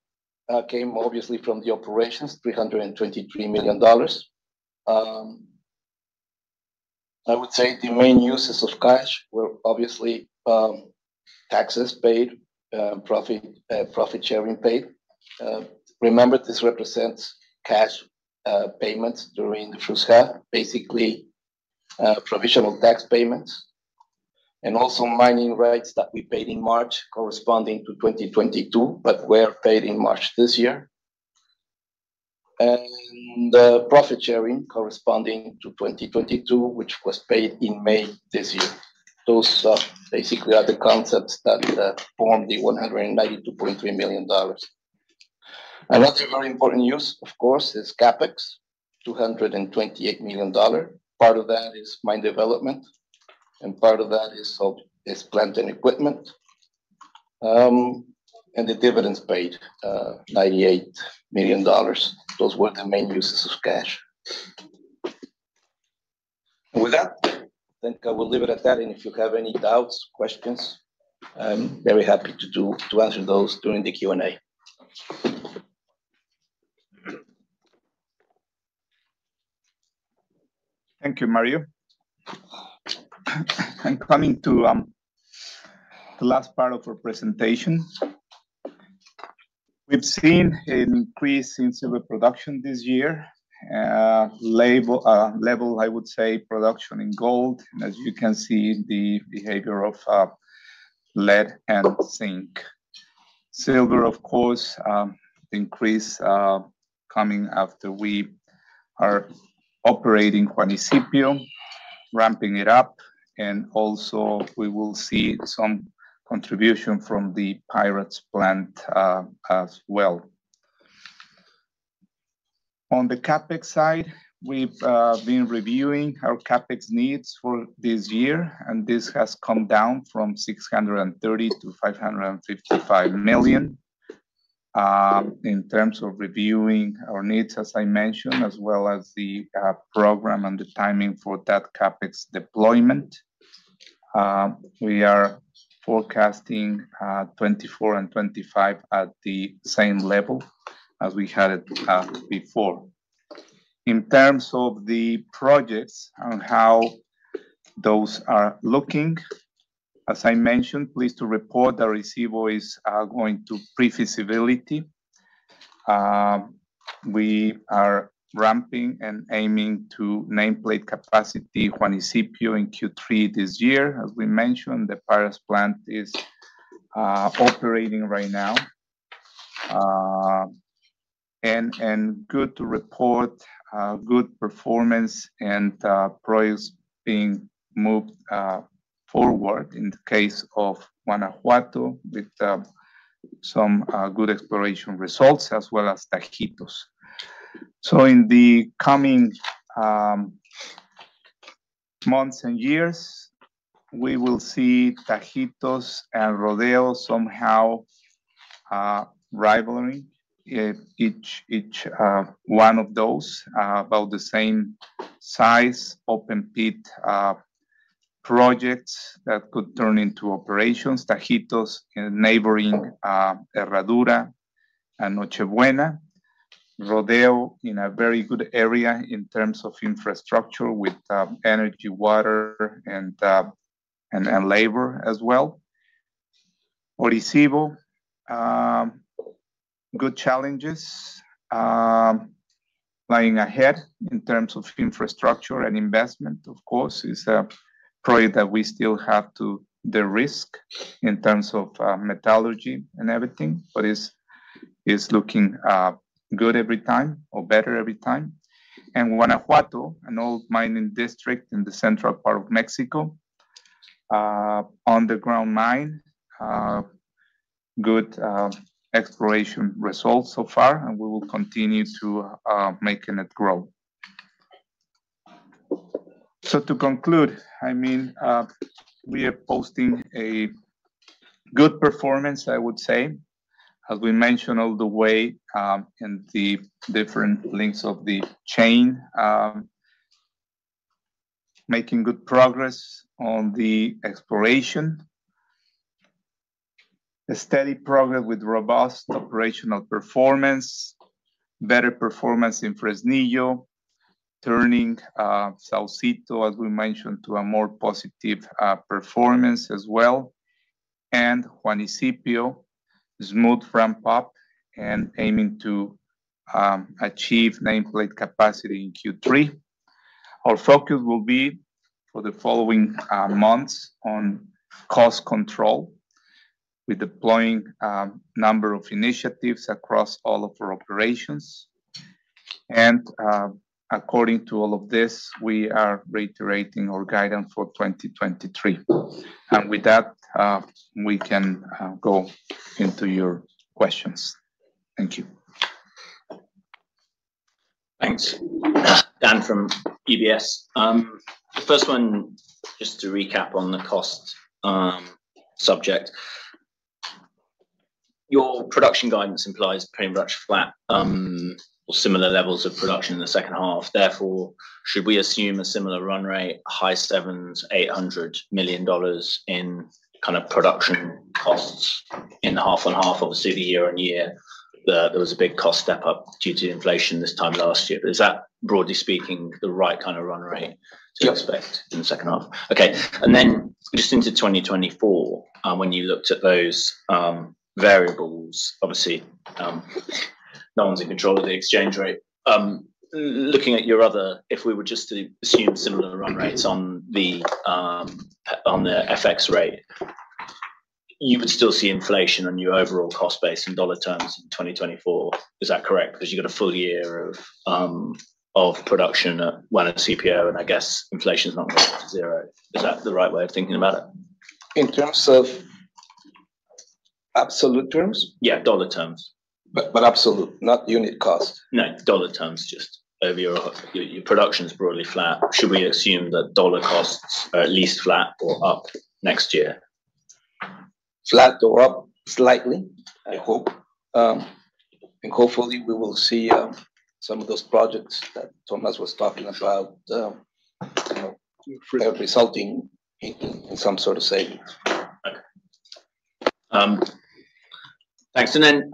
Speaker 3: came obviously from the operations, $323 million. I would say the main uses of cash were obviously taxes paid, profit sharing paid. Remember, this represents cash payments during the first half, basically provisional tax payments, and also mining rights that we paid in March corresponding to 2022, but were paid in March this year. The profit sharing corresponding to 2022, which was paid in May this year. Those basically are the concepts that form the $192.3 million. Another very important use, of course, is CapEx, $228 million. Part of that is mine development, and part of that is plant and equipment. The dividends paid, $98 million. Those were the main uses of cash. With that, I think I will leave it at that, and if you have any doubts, questions, I'm very happy to answer those during the Q&A. Thank you, Mario. Coming to the last part of our presentation. We've seen an increase in silver production this year. level, I would say, production in gold. As you can see, the behavior of lead and zinc. Silver, of course, increase coming after we are operating Juanicipio, ramping it up, and also we will see some contribution from the Pyrites Plant as well. On the CapEx side, we've been reviewing our CapEx needs for this year, and this has come down from $630 million to $555 million. In terms of reviewing our needs, as I mentioned, as well as the program and the timing for that CapEx deployment, we are forecasting 24 and 25 at the same level as we had it before. In terms of the projects and how those are looking, as I mentioned, pleased to report that Orisyvo is going to pre-feasibility. We are ramping and aiming to nameplate capacity Juanicipio in Q3 this year. As we mentioned, the Pyrites plant is operating right now. Good to report good performance and projects being moved forward in the case of Guanajuato, with some good exploration results as well as Tajitos. In the coming months and years, we will see Tajitos and Rodeo somehow rivaling each, each one of those about the same size, open-pit projects that could turn into operations. Tajitos in neighboring Herradura and Noche buena. Rodeo in a very good area in terms of infrastructure with energy, water, and and labor as well. Orisyvo good challenges lying ahead in terms of infrastructure and investment, of course, is.... probably that we still have to, the risk in terms of metallurgy and everything, but it's, it's looking good every time or better every time. Guanajuato, an old mining district in the central part of Mexico, underground mine, good exploration results so far, and we will continue to making it grow. To conclude, I mean, we are posting a good performance, I would say, as we mentioned all the way, in the different links of the chain. Making good progress on the exploration. A steady progress with robust operational performance, better performance in Fresnillo, turning Saucito, as we mentioned, to a more positive performance as well, and Juanicipio, smooth ramp up and aiming to achieve nameplate capacity in Q3. Our focus will be for the following months on cost control. We're deploying, number of initiatives across all of our operations, and, according to all of this, we are reiterating our guidance for 2023. With that, we can, go into your questions. Thank you.
Speaker 4: Thanks. Dan from UBS. The first one, just to recap on the cost subject. Your production guidance implies pretty much flat or similar levels of production in the second half. Therefore, should we assume a similar run rate, high sevens, $800 million in kind of production costs in the half-on-half? Obviously, year-on-year, there was a big cost step up due to inflation this time last year. Is that, broadly speaking, the right kind of run rate?
Speaker 1: Yeah...
Speaker 4: to expect in the second half? Okay. Then just into 2024, when you looked at those variables, obviously, no one's in control of the exchange rate. Looking at your other... If we were just to assume similar run rates on the FX rate, you would still see inflation on your overall cost base in dollar terms in 2024. Is that correct? Because you've got a full year of production at Juanicipio, and I guess inflation's not going to zero. Is that the right way of thinking about it?
Speaker 1: In terms of absolute terms?
Speaker 4: Yeah, dollar terms.
Speaker 1: But absolute, not unit cost?
Speaker 4: No, dollar terms, just over your, your production's broadly flat. Should we assume that dollar costs are at least flat or up next year?
Speaker 1: Flat or up slightly, I hope. Hopefully we will see, some of those projects that Tomás was talking about, you know, resulting in, in some sort of savings.
Speaker 4: Okay. Thanks. Then,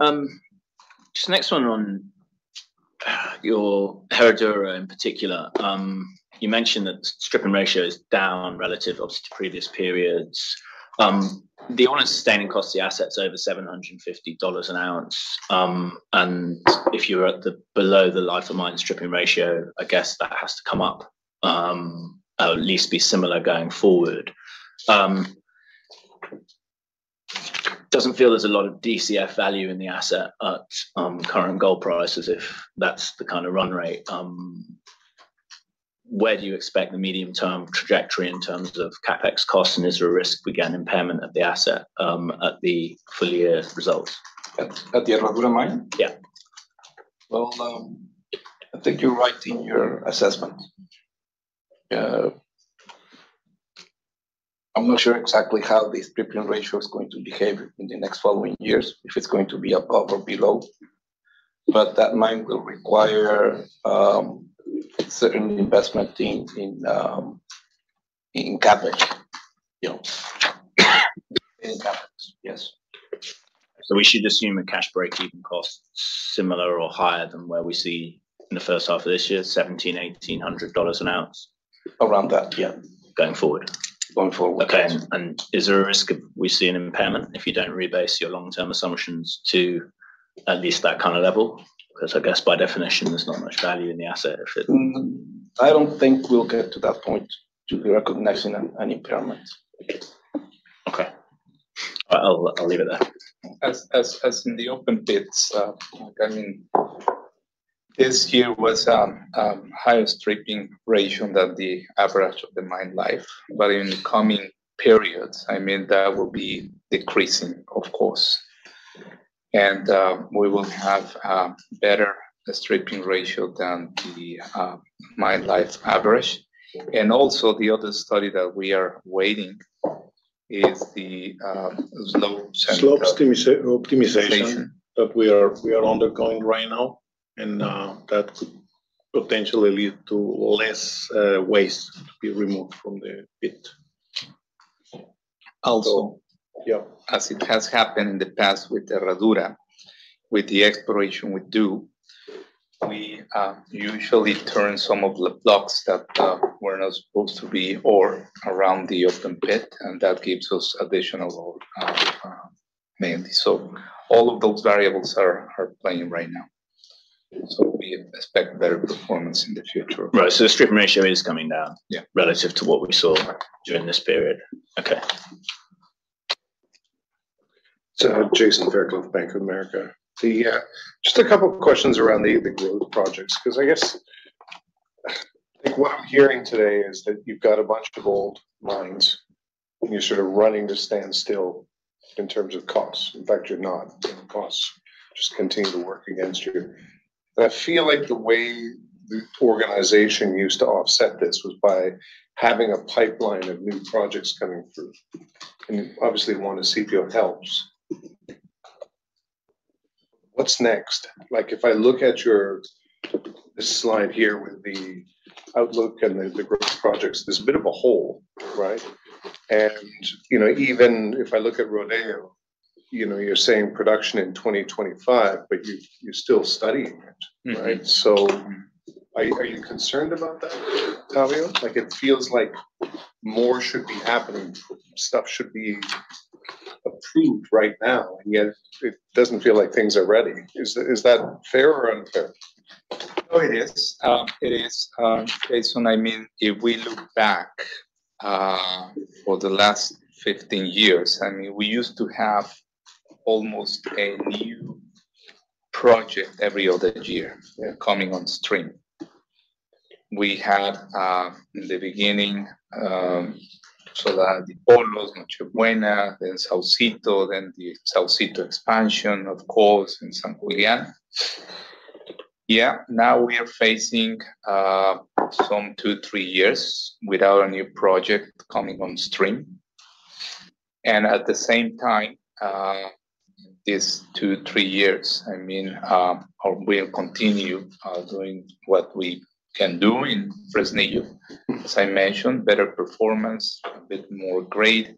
Speaker 4: just next one on your Herradura in particular. You mentioned that stripping ratio is down relative, obviously, to previous periods. The all-in sustaining cost of the asset is over $750 an ounce. If you were at the below the life of mine stripping ratio, I guess that has to come up, or at least be similar going forward. Doesn't feel there's a lot of DCF value in the asset at current gold prices, if that's the kind of run rate. Where do you expect the medium-term trajectory in terms of CapEx costs, and is there a risk we get an impairment of the asset at the full year results?
Speaker 1: At the Herradura mine?
Speaker 4: Yeah.
Speaker 1: Well, I think you're right in your assessment. I'm not sure exactly how the stripping ratio is going to behave in the next following years, if it's going to be above or below, but that mine will require certain investment in, in CapEx, you know? In CapEx, yes.
Speaker 4: We should assume a cash break-even cost similar or higher than where we see in the first half of this year, $1,700-$1,800 an ounce?
Speaker 1: Around that, yeah.
Speaker 4: Going forward?
Speaker 1: Going forward, yeah.
Speaker 4: Okay. Is there a risk of we see an impairment if you don't rebase your long-term assumptions to at least that kind of level? Because I guess by definition, there's not much value in the asset if it-
Speaker 1: I don't think we'll get to that point to be recognizing an impairment.
Speaker 4: Okay. I'll leave it there.
Speaker 1: As, as, as in the open pits, I mean, this year was a higher stripping ratio than the average of the mine life. In the coming periods, I mean, that will be decreasing, of course. We will have a better stripping ratio than the mine life average. Also, the other study that we are waiting is the slope-
Speaker 2: Slope optimization.
Speaker 1: Optimization.
Speaker 2: that we are undergoing right now, and that could potentially lead to less waste to be removed from the pit.
Speaker 1: Also-
Speaker 2: Yeah.
Speaker 1: As it has happened in the past with the Herradura, with the exploration we do, we usually turn some of the blocks that were not supposed to be ore around the open pit, and that gives us additional mainly. All of those variables are playing right now. We expect better performance in the future.
Speaker 4: Right, the strip ratio is coming down.
Speaker 1: Yeah.
Speaker 4: relative to what we saw during this period. Okay.
Speaker 5: Jason Fairclough of Bank of America. The, just a couple of questions around the, the growth projects, 'cause I guess, like, what I'm hearing today is that you've got a bunch of old mines, and you're sort of running to standstill in terms of costs. In fact, you're not, the costs just continue to work against you. I feel like the way the organization used to offset this was by having a pipeline of new projects coming through, and obviously one in CPO helps. What's next? Like, if I look at your, this slide here with the outlook and the, the growth projects, there's a bit of a hole, right? You know, even if I look at Rodeo, you know, you're saying production in 2025, but you, you're still studying it, right?
Speaker 1: Mm-hmm.
Speaker 5: Are, are you concerned about that, Octavio? Like, it feels like more should be happening, stuff should be approved right now, and yet it doesn't feel like things are ready. Is, is that fair or unfair?
Speaker 1: No, it is. It is, Jason, I mean, if we look back for the last 15 years, I mean, we used to have almost a new project every other year coming on stream. We had in the beginning, Soledad-Dipolos, Noche Buena, then Saucito, then the Saucito expansion, of course, in San Julián. Yeah, now we are facing some 2, 3 years without a new project coming on stream. At the same time, these 2, 3 years, I mean, we'll continue doing what we can do in Fresnillo. As I mentioned, better performance, a bit more grade,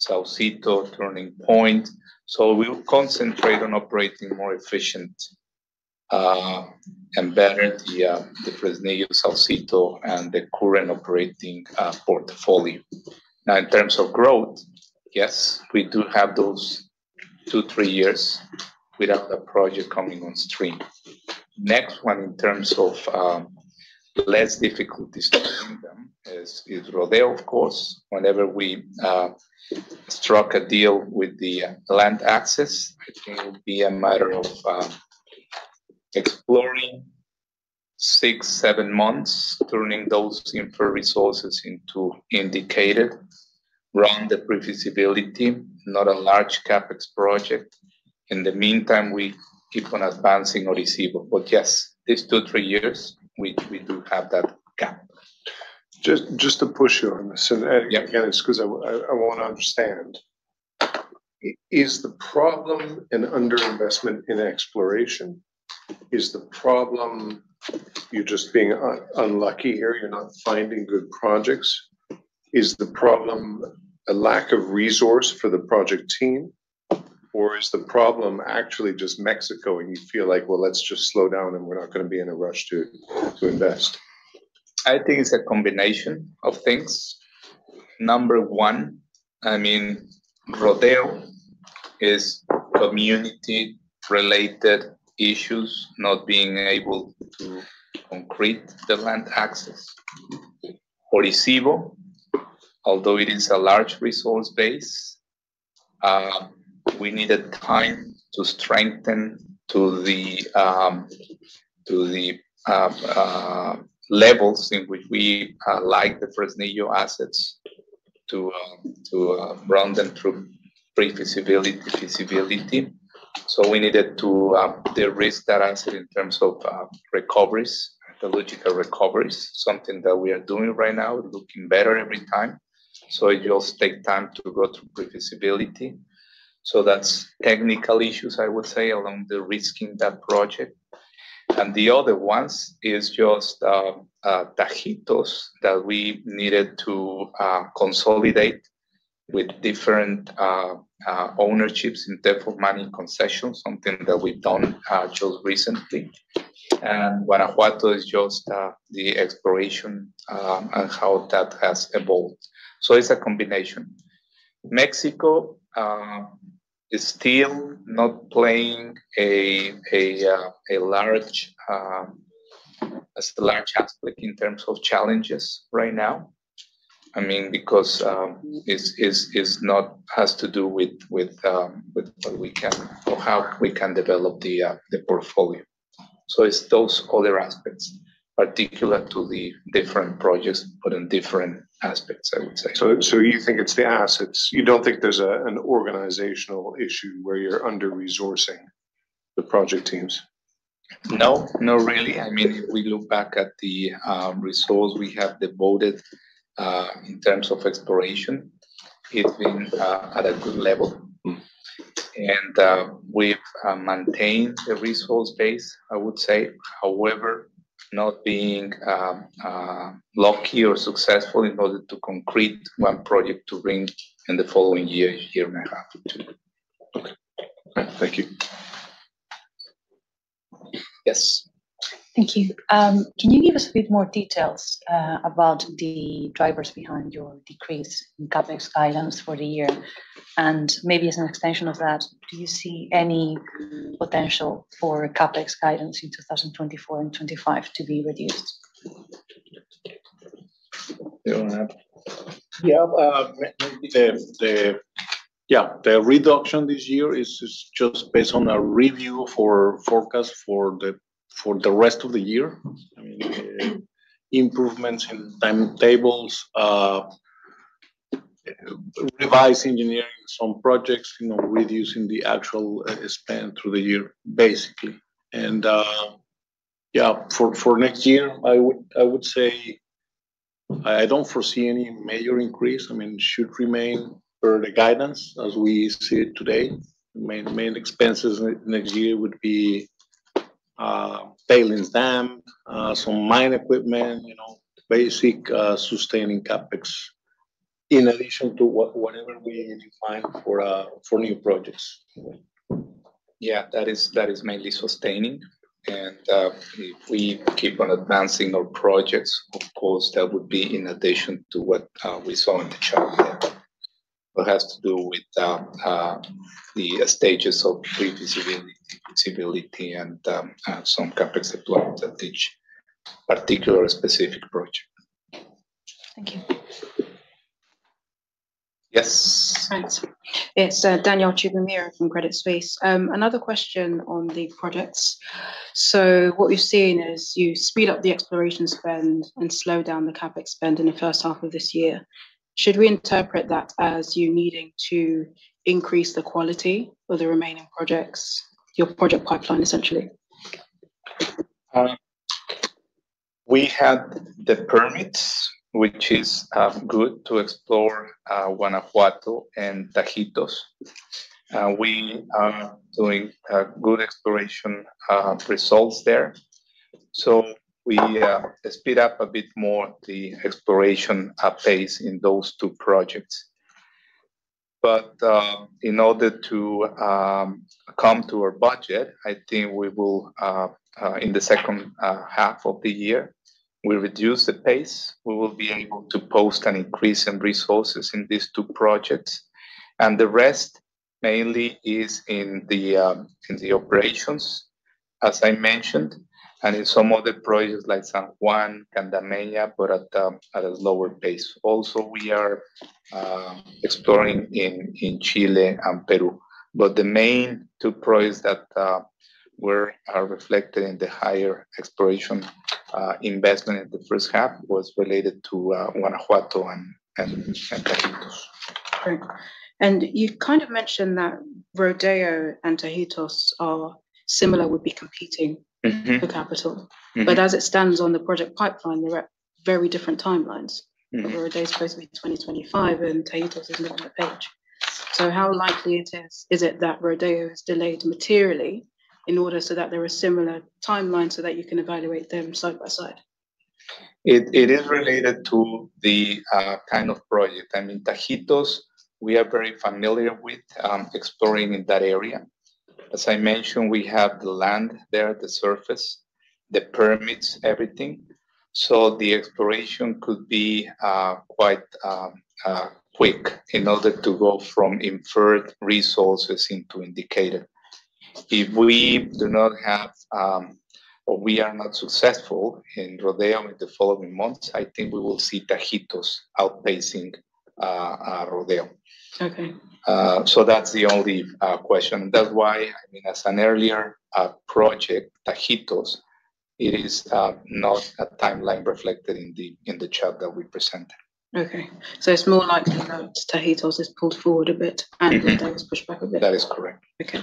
Speaker 1: Saucito turning point. We'll concentrate on operating more efficient and better the Fresnillo, Saucito, and the current operating portfolio. Now, in terms of growth, yes, we do have those 2, 3 years without a project coming on stream. Next one, in terms of less difficulties getting them is, is Rodeo, of course. Whenever we struck a deal with the land access, it will be a matter of exploring 6, 7 months, turning those inferred resources into indicated, run the pre-feasibility, not a large CapEx project. In the meantime, we keep on advancing Orisyvo. Yes, these 2, 3 years, we, we do have that gap.
Speaker 5: Just to push you on this.
Speaker 1: Yeah.
Speaker 5: Again, it's because I wanna understand. Is the problem an underinvestment in exploration? Is the problem you just being unlucky here, you're not finding good projects? Is the problem a lack of resource for the project team, or is the problem actually just Mexico, and you feel like, "Well, let's just slow down, and we're not gonna be in a rush to, to invest?
Speaker 1: I think it's a combination of things. Number one, I mean, Rodeo is community related issues, not being able to concrete the land access. Orisyvo, although it is a large resource base, we needed time to strengthen to the to the levels in which we like the Fresnillo assets to to run them through pre-feasibility, feasibility. So we needed to de-risk that asset in terms of recoveries, metallurgical recoveries, something that we are doing right now, looking better every time. So it will take time to go through pre-feasibility. So that's technical issues, I would say, along the risking that project. And the other ones is just Tajitos, that we needed to consolidate with different ownerships in terms of mining concessions, something that we've done just recently. Guanajuato is just the exploration, and how that has evolved. It's a combination. Mexico is still not playing a, a large aspect in terms of challenges right now. I mean, because it's, it's, it's not has to do with, with what we can or how we can develop the portfolio. It's those other aspects, particular to the different projects, but in different aspects, I would say.
Speaker 5: So you think it's the assets? You don't think there's an organizational issue, where you're under-resourcing the project teams?
Speaker 1: No. Not really.
Speaker 5: Okay.
Speaker 1: I mean, if we look back at the resource we have devoted, in terms of exploration, it's been at a good level.
Speaker 5: Mm.
Speaker 1: We've maintained the resource base, I would say. However, not being lucky or successful in order to concrete one project to bring in the following year, year and a half.
Speaker 5: Okay. Thank you.
Speaker 1: Yes?
Speaker 6: Thank you. Can you give us a bit more details about the drivers behind your decrease in CapEx guidance for the year? Maybe as an extension of that, do you see any potential for CapEx guidance in 2024 and 2025 to be reduced?
Speaker 1: Yeah, yeah, the reduction this year is, is just based on a review for forecast for the, for the rest of the year. I mean, improvements in timetables, revise engineering some projects, you know, reducing the actual spend through the year, basically. Yeah, for, for next year, I would, I would say I, I don't foresee any major increase. I mean, it should remain per the guidance as we see it today. Main, main expenses next year would be tailings dam, some mine equipment, you know, basic sustaining CapEx, in addition to whatever we define for new projects. Yeah, that is, that is mainly sustaining, if we keep on advancing our projects, of course, that would be in addition to what we saw in the chart there. What has to do with the stages of pre-feasibility, visibility, and some CapEx deployment at each particular specific project.
Speaker 6: Thank you.
Speaker 1: Yes.
Speaker 6: Thanks. It's Danielle Chigumira from Credit Suisse. Another question on the projects. What you're seeing is you speed up the exploration spend and slow down the CapEx spend in the first half of this year. Should we interpret that as you needing to increase the quality of the remaining projects, your project pipeline, essentially?
Speaker 1: We had the permits, which is good to explore Guanajuato and Tajitos. We are doing good exploration results there. We speed up a bit more the exploration pace in those two projects. In order to come to our budget, I think we will in the second half of the year, we'll reduce the pace. We will be able to post an increase in resources in these two projects, and the rest mainly is in the operations, as I mentioned, and in some other projects like San Juan and La Maya, but at a lower pace. We are exploring in Chile and Peru. The main two projects that we're-- are reflected in the higher exploration investment in the first half was related to Guanajuato and, and, and Tajitos.
Speaker 6: Great. You've kind of mentioned that Rodeo and Tajitos are similar, would be competing-
Speaker 1: Mm-hmm
Speaker 6: for capital.
Speaker 1: Mm-hmm.
Speaker 6: As it stands on the project pipeline, they're at very different timelines.
Speaker 1: Mm-hmm.
Speaker 6: Rodeo is supposed to be 2025. Tajitos is not on that page. How likely is it that Rodeo is delayed materially in order so that there are similar timelines so that you can evaluate them side by side?
Speaker 1: It, it is related to the kind of project. I mean, Tajitos, we are very familiar with exploring in that area. As I mentioned, we have the land there, the surface, the permits, everything. The exploration could be quite quick in order to go from inferred resources into indicated. If we do not have or we are not successful in Rodeo in the following months, I think we will see Tajitos outpacing Rodeo.
Speaker 6: Okay.
Speaker 1: That's the only question. That's why, I mean, as an earlier project, Tajitos, it is not a timeline reflected in the, in the chart that we presented.
Speaker 6: Okay. It's more likely that Tajitos is pulled forward a bit-
Speaker 1: Mm-hmm
Speaker 6: Rodeo is pushed back a bit?
Speaker 1: That is correct.
Speaker 6: Okay.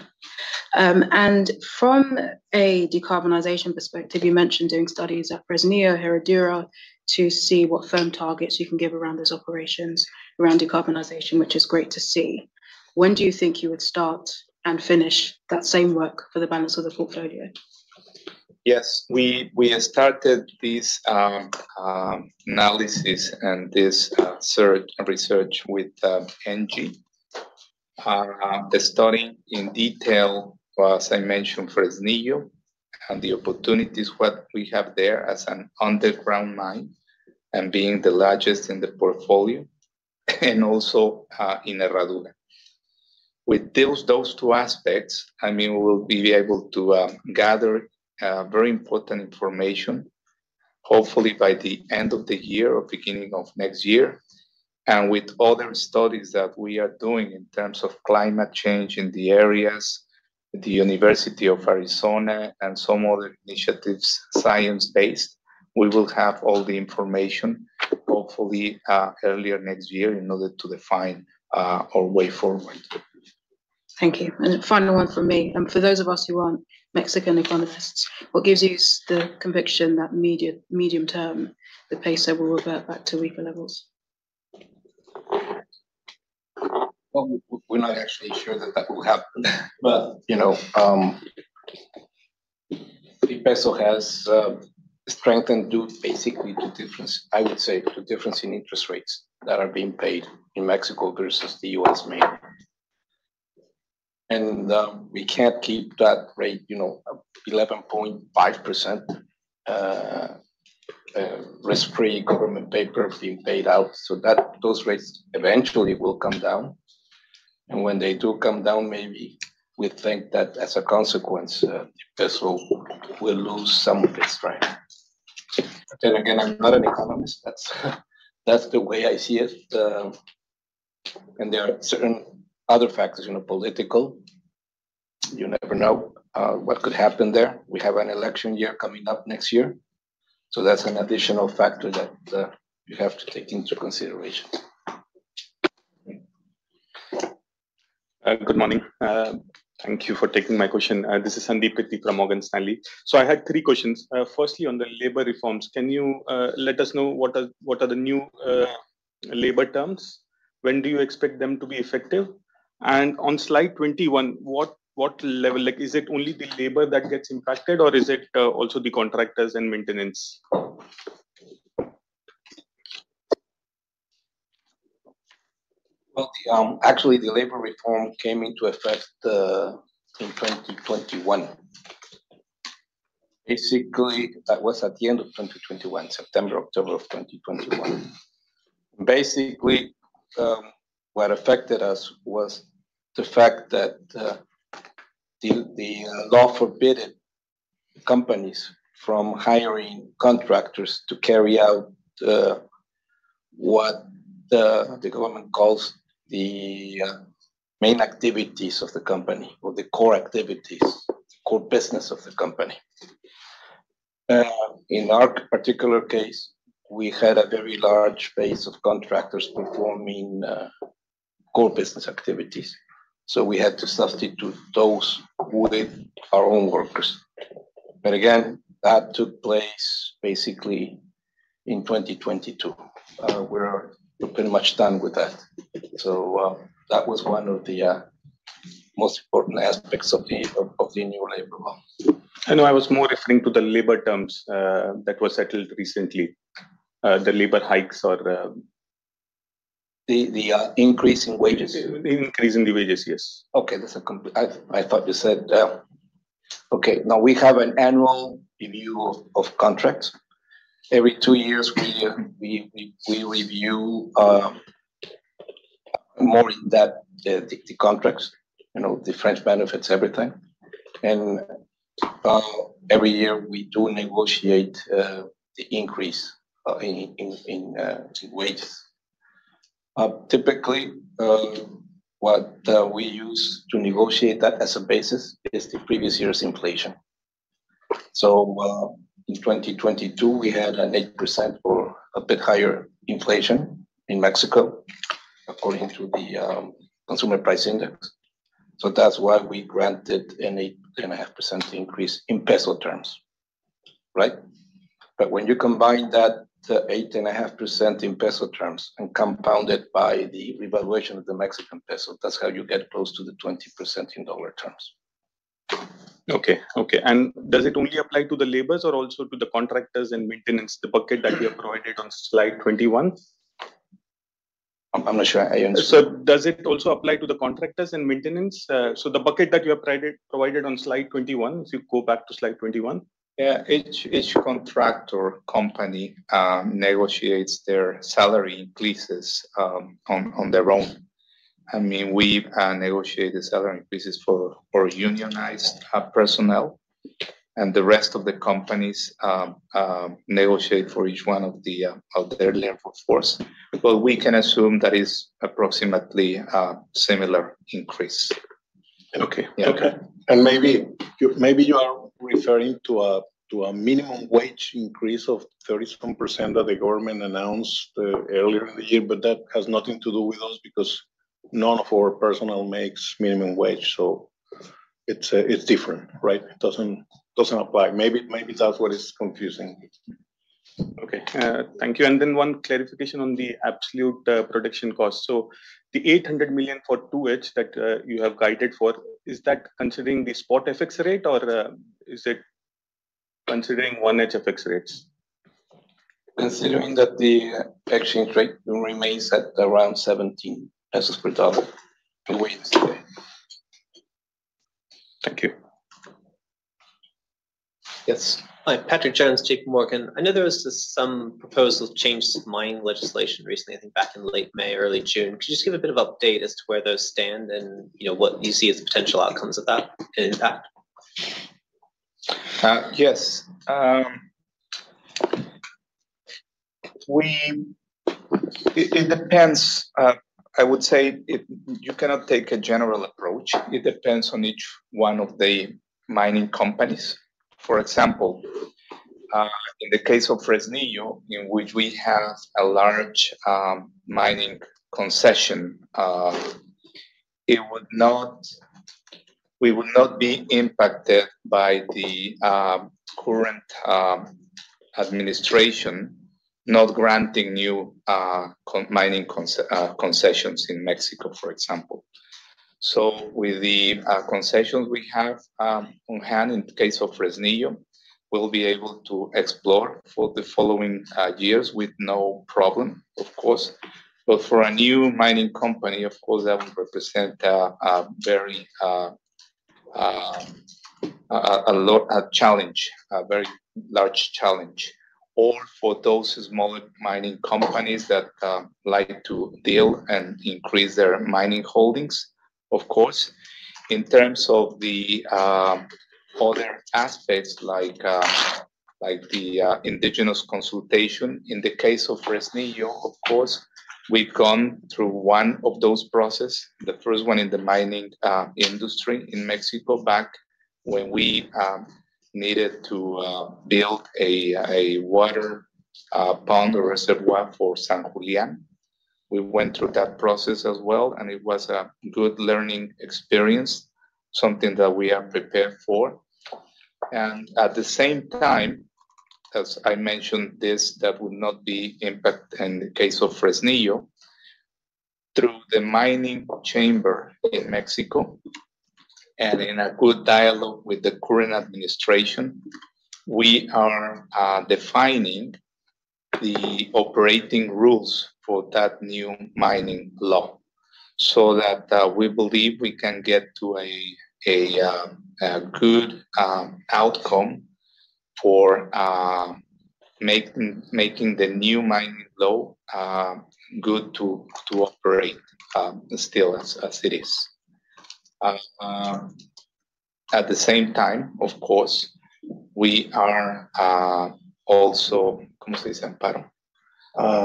Speaker 6: From a decarbonization perspective, you mentioned doing studies at Fresnillo, Herradura, to see what firm targets you can give around those operations, around decarbonization, which is great to see. When do you think you would start and finish that same work for the balance of the portfolio?
Speaker 1: Yes. We, we started this analysis and this search, research with ENGIE, the study in detail, as I mentioned, Fresnillo and the opportunities, what we have there as an underground mine, and being the largest in the portfolio and also in Herradura. With those, those two aspects, I mean, we will be able to gather very important information, hopefully by the end of the year or beginning of next year. With other studies that we are doing in terms of climate change in the areas, the University of Arizona and some other initiatives, science-based, we will have all the information hopefully earlier next year in order to define our way forward.
Speaker 6: Thank you. Final one from me, and for those of us who aren't Mexican economists, what gives you the conviction that medium, medium term, the peso will revert back to weaker levels?
Speaker 1: Well, we're not actually sure that that will happen. You know, the peso has strengthened due basically to difference, I would say, to difference in interest rates that are being paid in Mexico versus the U.S., mainly....
Speaker 3: we can't keep that rate, you know, 11.5% risk-free government paper being paid out. Those rates eventually will come down, and when they do come down, maybe we think that as a consequence, peso will lose some of its strength. I'm not an economist. That's, that's the way I see it. There are certain other factors, you know, political, you never know what could happen there. We have an election year coming up next year, that's an additional factor that you have to take into consideration.
Speaker 7: Good morning. Thank you for taking my question. This is Sandeep from Morgan Stanley. I had 3 questions. Firstly, on the labor reforms, can you let us know what are the new labor terms? When do you expect them to be effective? On slide 21, what level, like, is it only the labor that gets impacted, or is it also the contractors and maintenance?
Speaker 3: Well, the, actually, the labor reform came into effect, in 2021. Basically, that was at the end of 2021, September, October of 2021. Basically, what affected us was the fact that, the, the law forbidden companies from hiring contractors to carry out, what the, the government calls the, main activities of the company, or the core activities, core business of the company. In our particular case, we had a very large base of contractors performing, core business activities. We had to substitute those with our own workers. Again, that took place basically in 2022. We're pretty much done with that. That was one of the, most important aspects of the, of the new labor law.
Speaker 7: I know. I was more referring to the labor terms, that were settled recently. The labor hikes or the-
Speaker 3: The, the, increase in wages?
Speaker 7: Increase in the wages, yes.
Speaker 3: Okay, that's a I, I thought you said. Okay, now we have an annual review of contracts. Every 2 years, we, we, we review more in-depth the contracts, you know, the fringe benefits, everything. Every year, we do negotiate the increase in the wages. Typically, what we use to negotiate that as a basis is the previous year's inflation. In 2022, we had an 8% or a bit higher inflation in Mexico, according to the Consumer Price Index. That's why we granted an 8.5% increase in peso terms, right? When you combine that, the 8.5% in MXN terms, and compounded by the revaluation of the Mexican peso, that's how you get close to the 20% in $ terms.
Speaker 7: Okay, okay. Does it only apply to the labors, or also to the contractors and maintenance, the bucket that you have provided on slide 21?
Speaker 3: I'm not sure I understand.
Speaker 7: Does it also apply to the contractors and maintenance? The bucket that you have provided on slide 21, if you go back to slide 21.
Speaker 3: Yeah. Each, each contractor company, negotiates their salary increases, on, on their own. I mean, we negotiate the salary increases for, for unionized personnel, and the rest of the companies negotiate for each one of the of their labor force. We can assume that is approximately a similar increase.
Speaker 7: Okay. Okay.
Speaker 3: Maybe you, maybe you are referring to a, to a minimum wage increase of 30% some that the government announced earlier in the year. That has nothing to do with us because none of our personnel makes minimum wage. It's different, right? It doesn't, doesn't apply. Maybe, maybe that's what is confusing.
Speaker 7: Okay, thank you. One clarification on the absolute, production cost. The $800 million for 2H that, you have guided for, is that considering the spot FX rate, or, is it considering one FX rates?
Speaker 3: Considering that the exchange rate remains at around 17 pesos per $ the way it is today.
Speaker 7: Thank you.
Speaker 3: Yes.
Speaker 8: Hi, Patrick Jones, JP Morgan. I know there was some proposal to change mining legislation recently, I think back in late May, early June. Could you just give a bit of update as to where those stand and, you know, what you see as the potential outcomes of that and impact?
Speaker 3: Yes. It depends. I would say it, you cannot take a general approach. It depends on each one of the mining companies. For example, in the case of Fresnillo, in which we have a large mining concession, we would not be impacted by the current administration not granting new concessions in Mexico, for example. With the concessions we have on hand in the case of Fresnillo, we'll be able to explore for the following years with no problem, of course. For a new mining company, of course, that would represent a very.
Speaker 1: ...a challenge, a very large challenge, or for those small mining companies that like to deal and increase their mining holdings, of course. In terms of the other aspects, like the indigenous consultation, in the case of Fresnillo, of course, we've gone through one of those process, the first one in the mining industry in Mexico, back when we needed to build a water pond or reservoir for San Julián. We went through that process as well, and it was a good learning experience, something that we are prepared for. At the same time, as I mentioned this, that would not be impact in the case of Fresnillo, through the mining chamber in Mexico, and in a good dialogue with the current administration, we are defining the operating rules for that new mining law. That we believe we can get to a good outcome for making, making the new mining law good to operate still as it is. At the same time, of course, we are also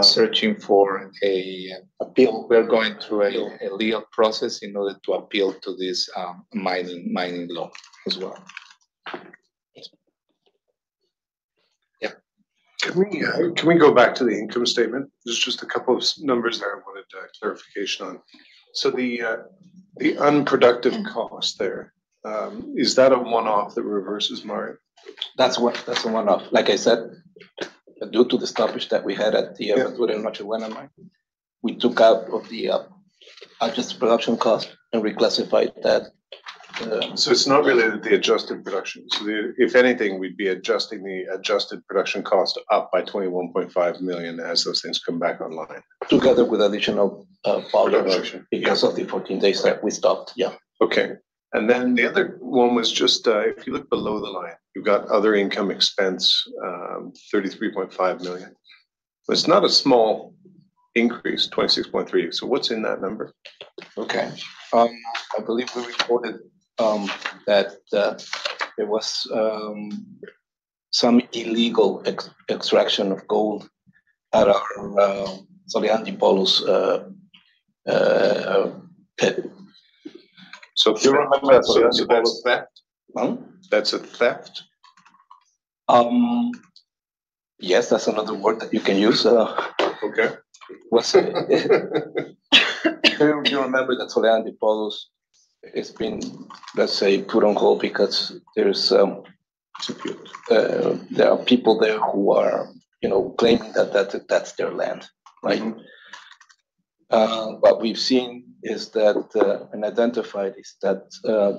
Speaker 1: searching for a-
Speaker 5: Appeal.
Speaker 1: We're going through.
Speaker 5: Appeal
Speaker 1: a legal process in order to appeal to this, mining law as well. Yeah.
Speaker 5: Can we, can we go back to the income statement? There's just a couple of numbers there I wanted clarification on. The unproductive cost there, is that a one-off that reverses, Mario?
Speaker 3: That's one, that's a one-off. Like I said, due to the stoppage that we had at the.
Speaker 5: Yeah...
Speaker 3: Minera Penmont mine, we took out of the adjusted production cost and reclassified that.
Speaker 5: It's not related to the adjusted production. The, if anything, we'd be adjusting the adjusted production cost up by $21.5 million as those things come back online.
Speaker 1: Together with additional.
Speaker 5: Production...
Speaker 1: because of the 14 days that we stopped, yeah.
Speaker 5: Okay. The other one was just, if you look below the line, you've got other income expense, $33.5 million. It's not a small increase, $26.3. What's in that number?
Speaker 1: Okay. I believe we reported that there was some illegal extraction of gold at our Soledad y Pozos pit.
Speaker 5: If you remember, that's a theft?
Speaker 1: Huh?
Speaker 5: That's a theft?
Speaker 1: Yes, that's another word that you can use.
Speaker 5: Okay.
Speaker 1: If you remember that Soledad y Pozos, it's been, let's say, put on hold because there's.
Speaker 5: Secure...
Speaker 1: there are people there who are, you know, claiming that that's, that's their land, right?
Speaker 5: Mm-hmm.
Speaker 1: What we've seen is that, and identified, is that,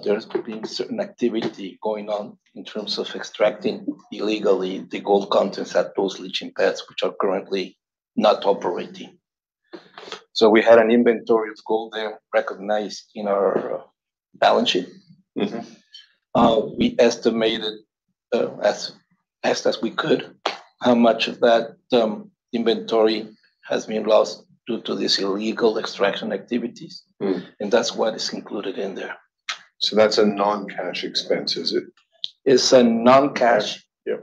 Speaker 1: there's been certain activity going on in terms of extracting illegally the gold contents at those leaching pads, which are currently not operating. We had an inventory of gold there recognized in our balance sheet.
Speaker 5: Mm-hmm.
Speaker 1: We estimated, as best as we could, how much of that inventory has been lost due to these illegal extraction activities.
Speaker 5: Mm.
Speaker 1: That's what is included in there.
Speaker 5: That's a non-cash expense, is it?
Speaker 1: It's a non-cash-
Speaker 5: Yeah.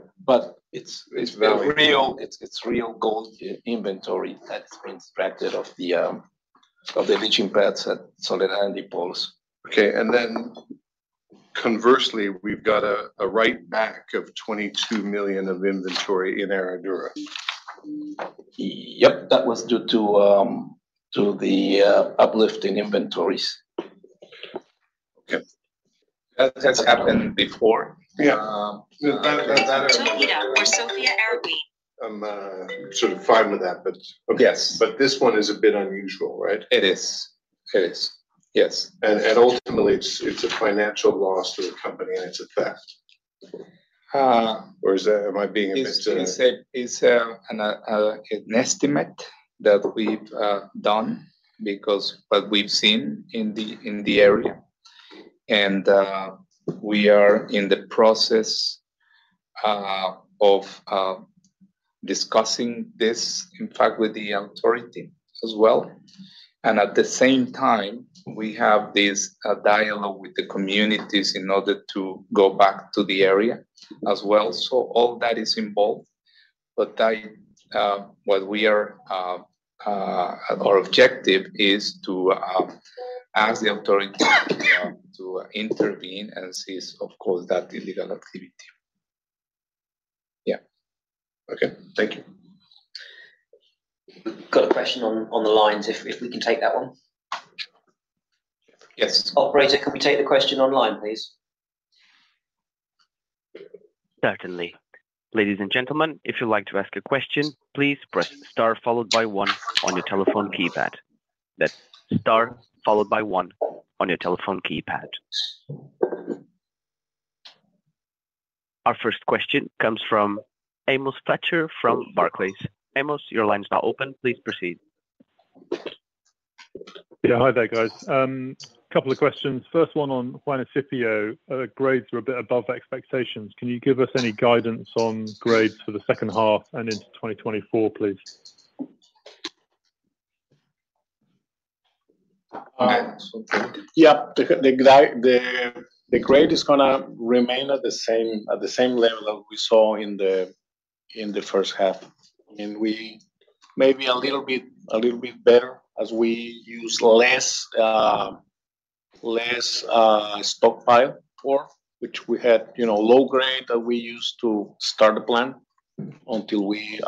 Speaker 1: it's.
Speaker 5: Very
Speaker 1: real, it's, it's real gold in-inventory that's been extracted of the, of the leaching pads at Soledad y Pozos.
Speaker 5: Okay, conversely, we've got a write back of $22 million of inventory in Herradura.
Speaker 1: Yep, that was due to, to the, uplift in inventories.
Speaker 5: Okay.
Speaker 1: That has happened before.
Speaker 5: Yeah.
Speaker 1: Um-...
Speaker 5: I'm, sort of fine with that, but-
Speaker 1: Yes.
Speaker 5: This one is a bit unusual, right?
Speaker 1: It is. It is, yes.
Speaker 5: Ultimately, it's a financial loss to the company, and it's a theft.
Speaker 1: Uh-
Speaker 5: Is that, am I being a bit?
Speaker 1: It's an estimate that we've done because what we've seen in the, in the area, and we are in the process of discussing this, in fact, with the authority as well. At the same time, we have this dialogue with the communities in order to go back to the area as well. All that is involved, but I, what we are, our objective is to ask the authority to intervene and cease, of course, that illegal activity. Yeah.
Speaker 5: Okay, thank you.
Speaker 8: Got a question on the lines, if we can take that one?
Speaker 1: Yes.
Speaker 8: Operator, can we take the question online, please?
Speaker 9: Certainly. Ladies and gentlemen, if you'd like to ask a question, please press star followed by 1 on your telephone keypad. That's star followed by 1 on your telephone keypad. Our first question comes from Amos Fletcher from Barclays. Amos, your line is now open. Please proceed.
Speaker 10: Yeah, hi there, guys. Couple of questions. First one on Juanicipio. Grades were a bit above expectations. Can you give us any guidance on grades for the second half and into 2024, please?
Speaker 11: Yeah, the grade is gonna remain at the same, at the same level that we saw in the first half. I mean, we maybe a little bit, a little bit better as we use less, less stockpile for, which we had, you know, low grade that we used to start the plant until we,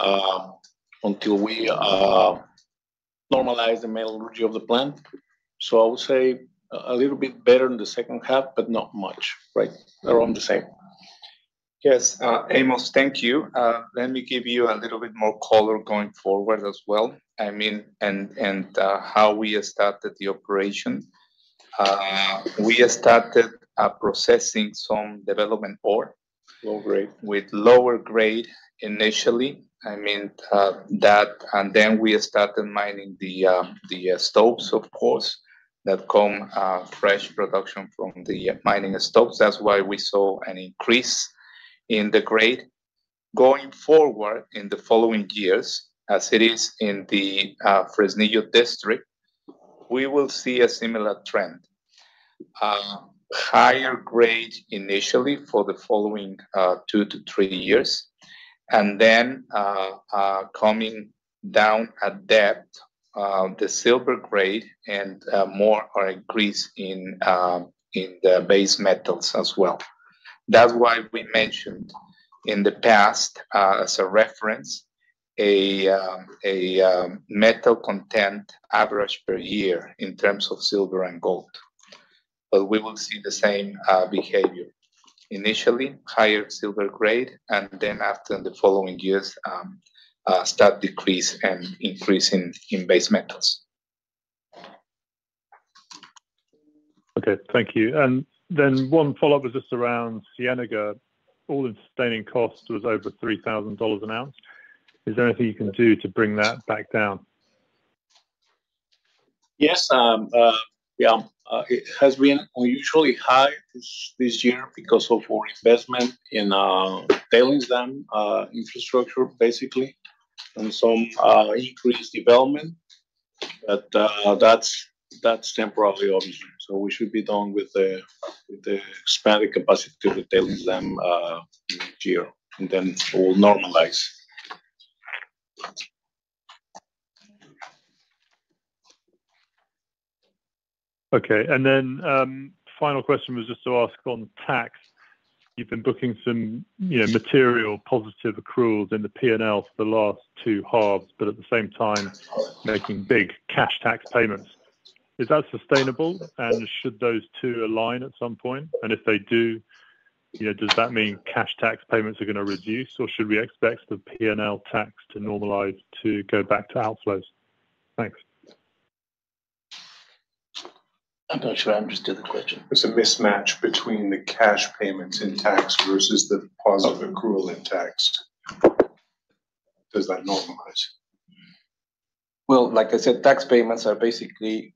Speaker 11: until we normalize the metallurgy of the plant. I would say a little bit better in the second half, but not much, right around the same. Yes, Amos, thank you. Let me give you a little bit more color going forward as well. I mean, and how we started the operation. We started processing some development ore.
Speaker 10: Low grade.
Speaker 11: with lower grade initially. I mean, that, and then we started mining the stopes, of course, that come fresh production from the mining stopes. That's why we saw an increase in the grade. Going forward in the following years, as it is in the Fresnillo District, we will see a similar trend. Higher grade initially for the following 2 to 3 years, and then coming down at depth, the silver grade and more or increase in the base metals as well. That's why we mentioned in the past, as a reference, a metal content average per year in terms of silver and gold. We will see the same behavior. Initially, higher silver grade, and then after the following years, start decrease and increase in base metals.
Speaker 10: Okay, thank you. One follow-up was just around Cienega. All-in sustaining costs was over $3,000 an ounce. Is there anything you can do to bring that back down?
Speaker 11: Yes, yeah, it has been unusually high this, this year because of our investment in tailings dam infrastructure, basically, and some increased development. That's, that's temporarily, obviously, so we should be done with the, with the expanded capacity to the tailings dam next year, and then it will normalize.
Speaker 10: Okay, final question was just to ask on tax. You've been booking some, you know, material positive accruals in the P&L for the last two halves. At the same time, making big cash tax payments. Is that sustainable, and should those two align at some point? If they do, you know, does that mean cash tax payments are gonna reduce, or should we expect the P&L tax to normalize to go back to outflows? Thanks.
Speaker 4: I'm not sure I understood the question.
Speaker 10: There's a mismatch between the cash payments in tax versus the positive accrual in tax. Does that normalize?
Speaker 11: Well, like I said, tax payments are basically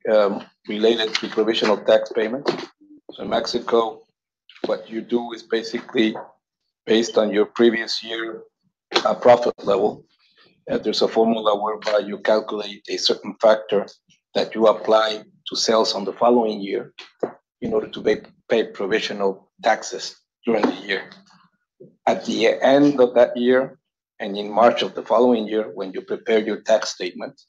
Speaker 11: related to provisional tax payments. In Mexico, what you do is basically based on your previous year profit level, and there's a formula whereby you calculate a certain factor that you apply to sales on the following year in order to pay, pay provisional taxes during the year. At the end of that year, in March of the following year, when you prepare your tax statement,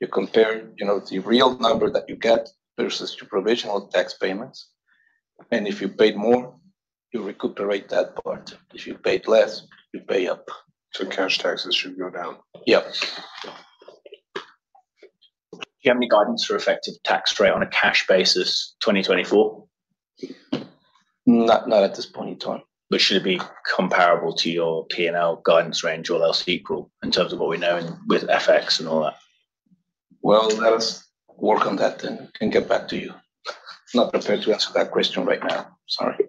Speaker 11: you compare, you know, the real number that you get versus your provisional tax payments, and if you paid more, you recuperate that part. If you paid less, you pay up.
Speaker 10: Cash taxes should go down?
Speaker 11: Yeah.
Speaker 4: Do you have any guidance for effective tax rate on a cash basis, 2024?
Speaker 11: Not, not at this point in time.
Speaker 4: Should it be comparable to your P&L guidance range or else equal in terms of what we know and with FX and all that?
Speaker 11: Let us work on that then and get back to you. Not prepared to answer that question right now. Sorry.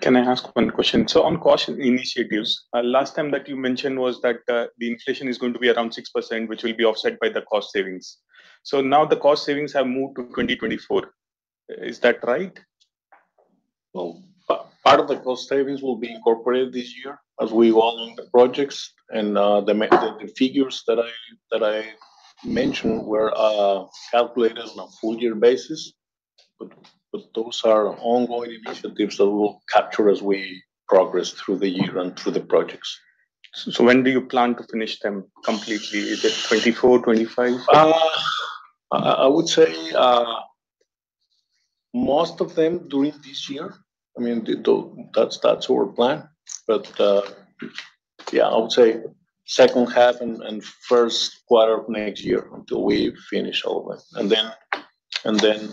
Speaker 7: Can I ask one question? On caution initiatives, last time that you mentioned was that, the inflation is going to be around 6%, which will be offset by the cost savings. Now the cost savings have moved to 2024. Is that right?
Speaker 11: Well, part of the cost savings will be incorporated this year as we roll in the projects. The figures that I, that I mentioned were calculated on a full year basis, but, but those are ongoing initiatives that we'll capture as we progress through the year and through the projects.
Speaker 7: When do you plan to finish them completely? Is it 2024, 2025?
Speaker 11: I, I would say most of them during this year. I mean, the, the, that's, that's our plan. Yeah, I would say second half and first quarter of next year, until we finish all of it. Then, and then,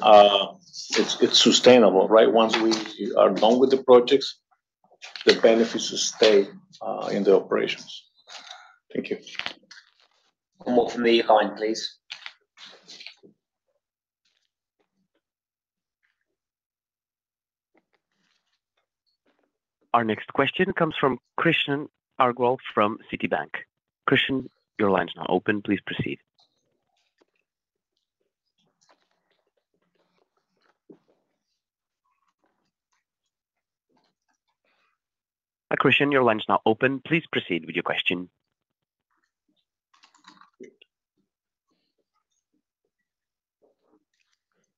Speaker 11: it's, it's sustainable, right? Once we are done with the projects, the benefits stay in the operations. Thank you.
Speaker 4: One more from me in line, please.
Speaker 9: Our next question comes from Krishnan Agarwal from Citibank. Krishnan, your line is now open. Please proceed. Krishnan, your line's now open. Please proceed with your question.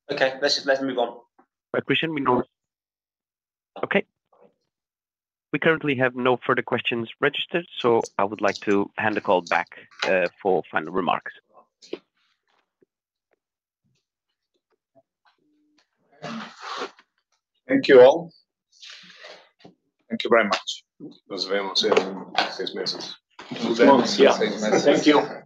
Speaker 4: Okay, let's, let's move on.
Speaker 9: Krishnan, Okay. We currently have no further questions registered, so I would like to hand the call back for final remarks.
Speaker 11: Thank you, all. Thank you very much.
Speaker 4: Nos vemos en seis meses.
Speaker 11: Nos vemos, yeah. Thank you.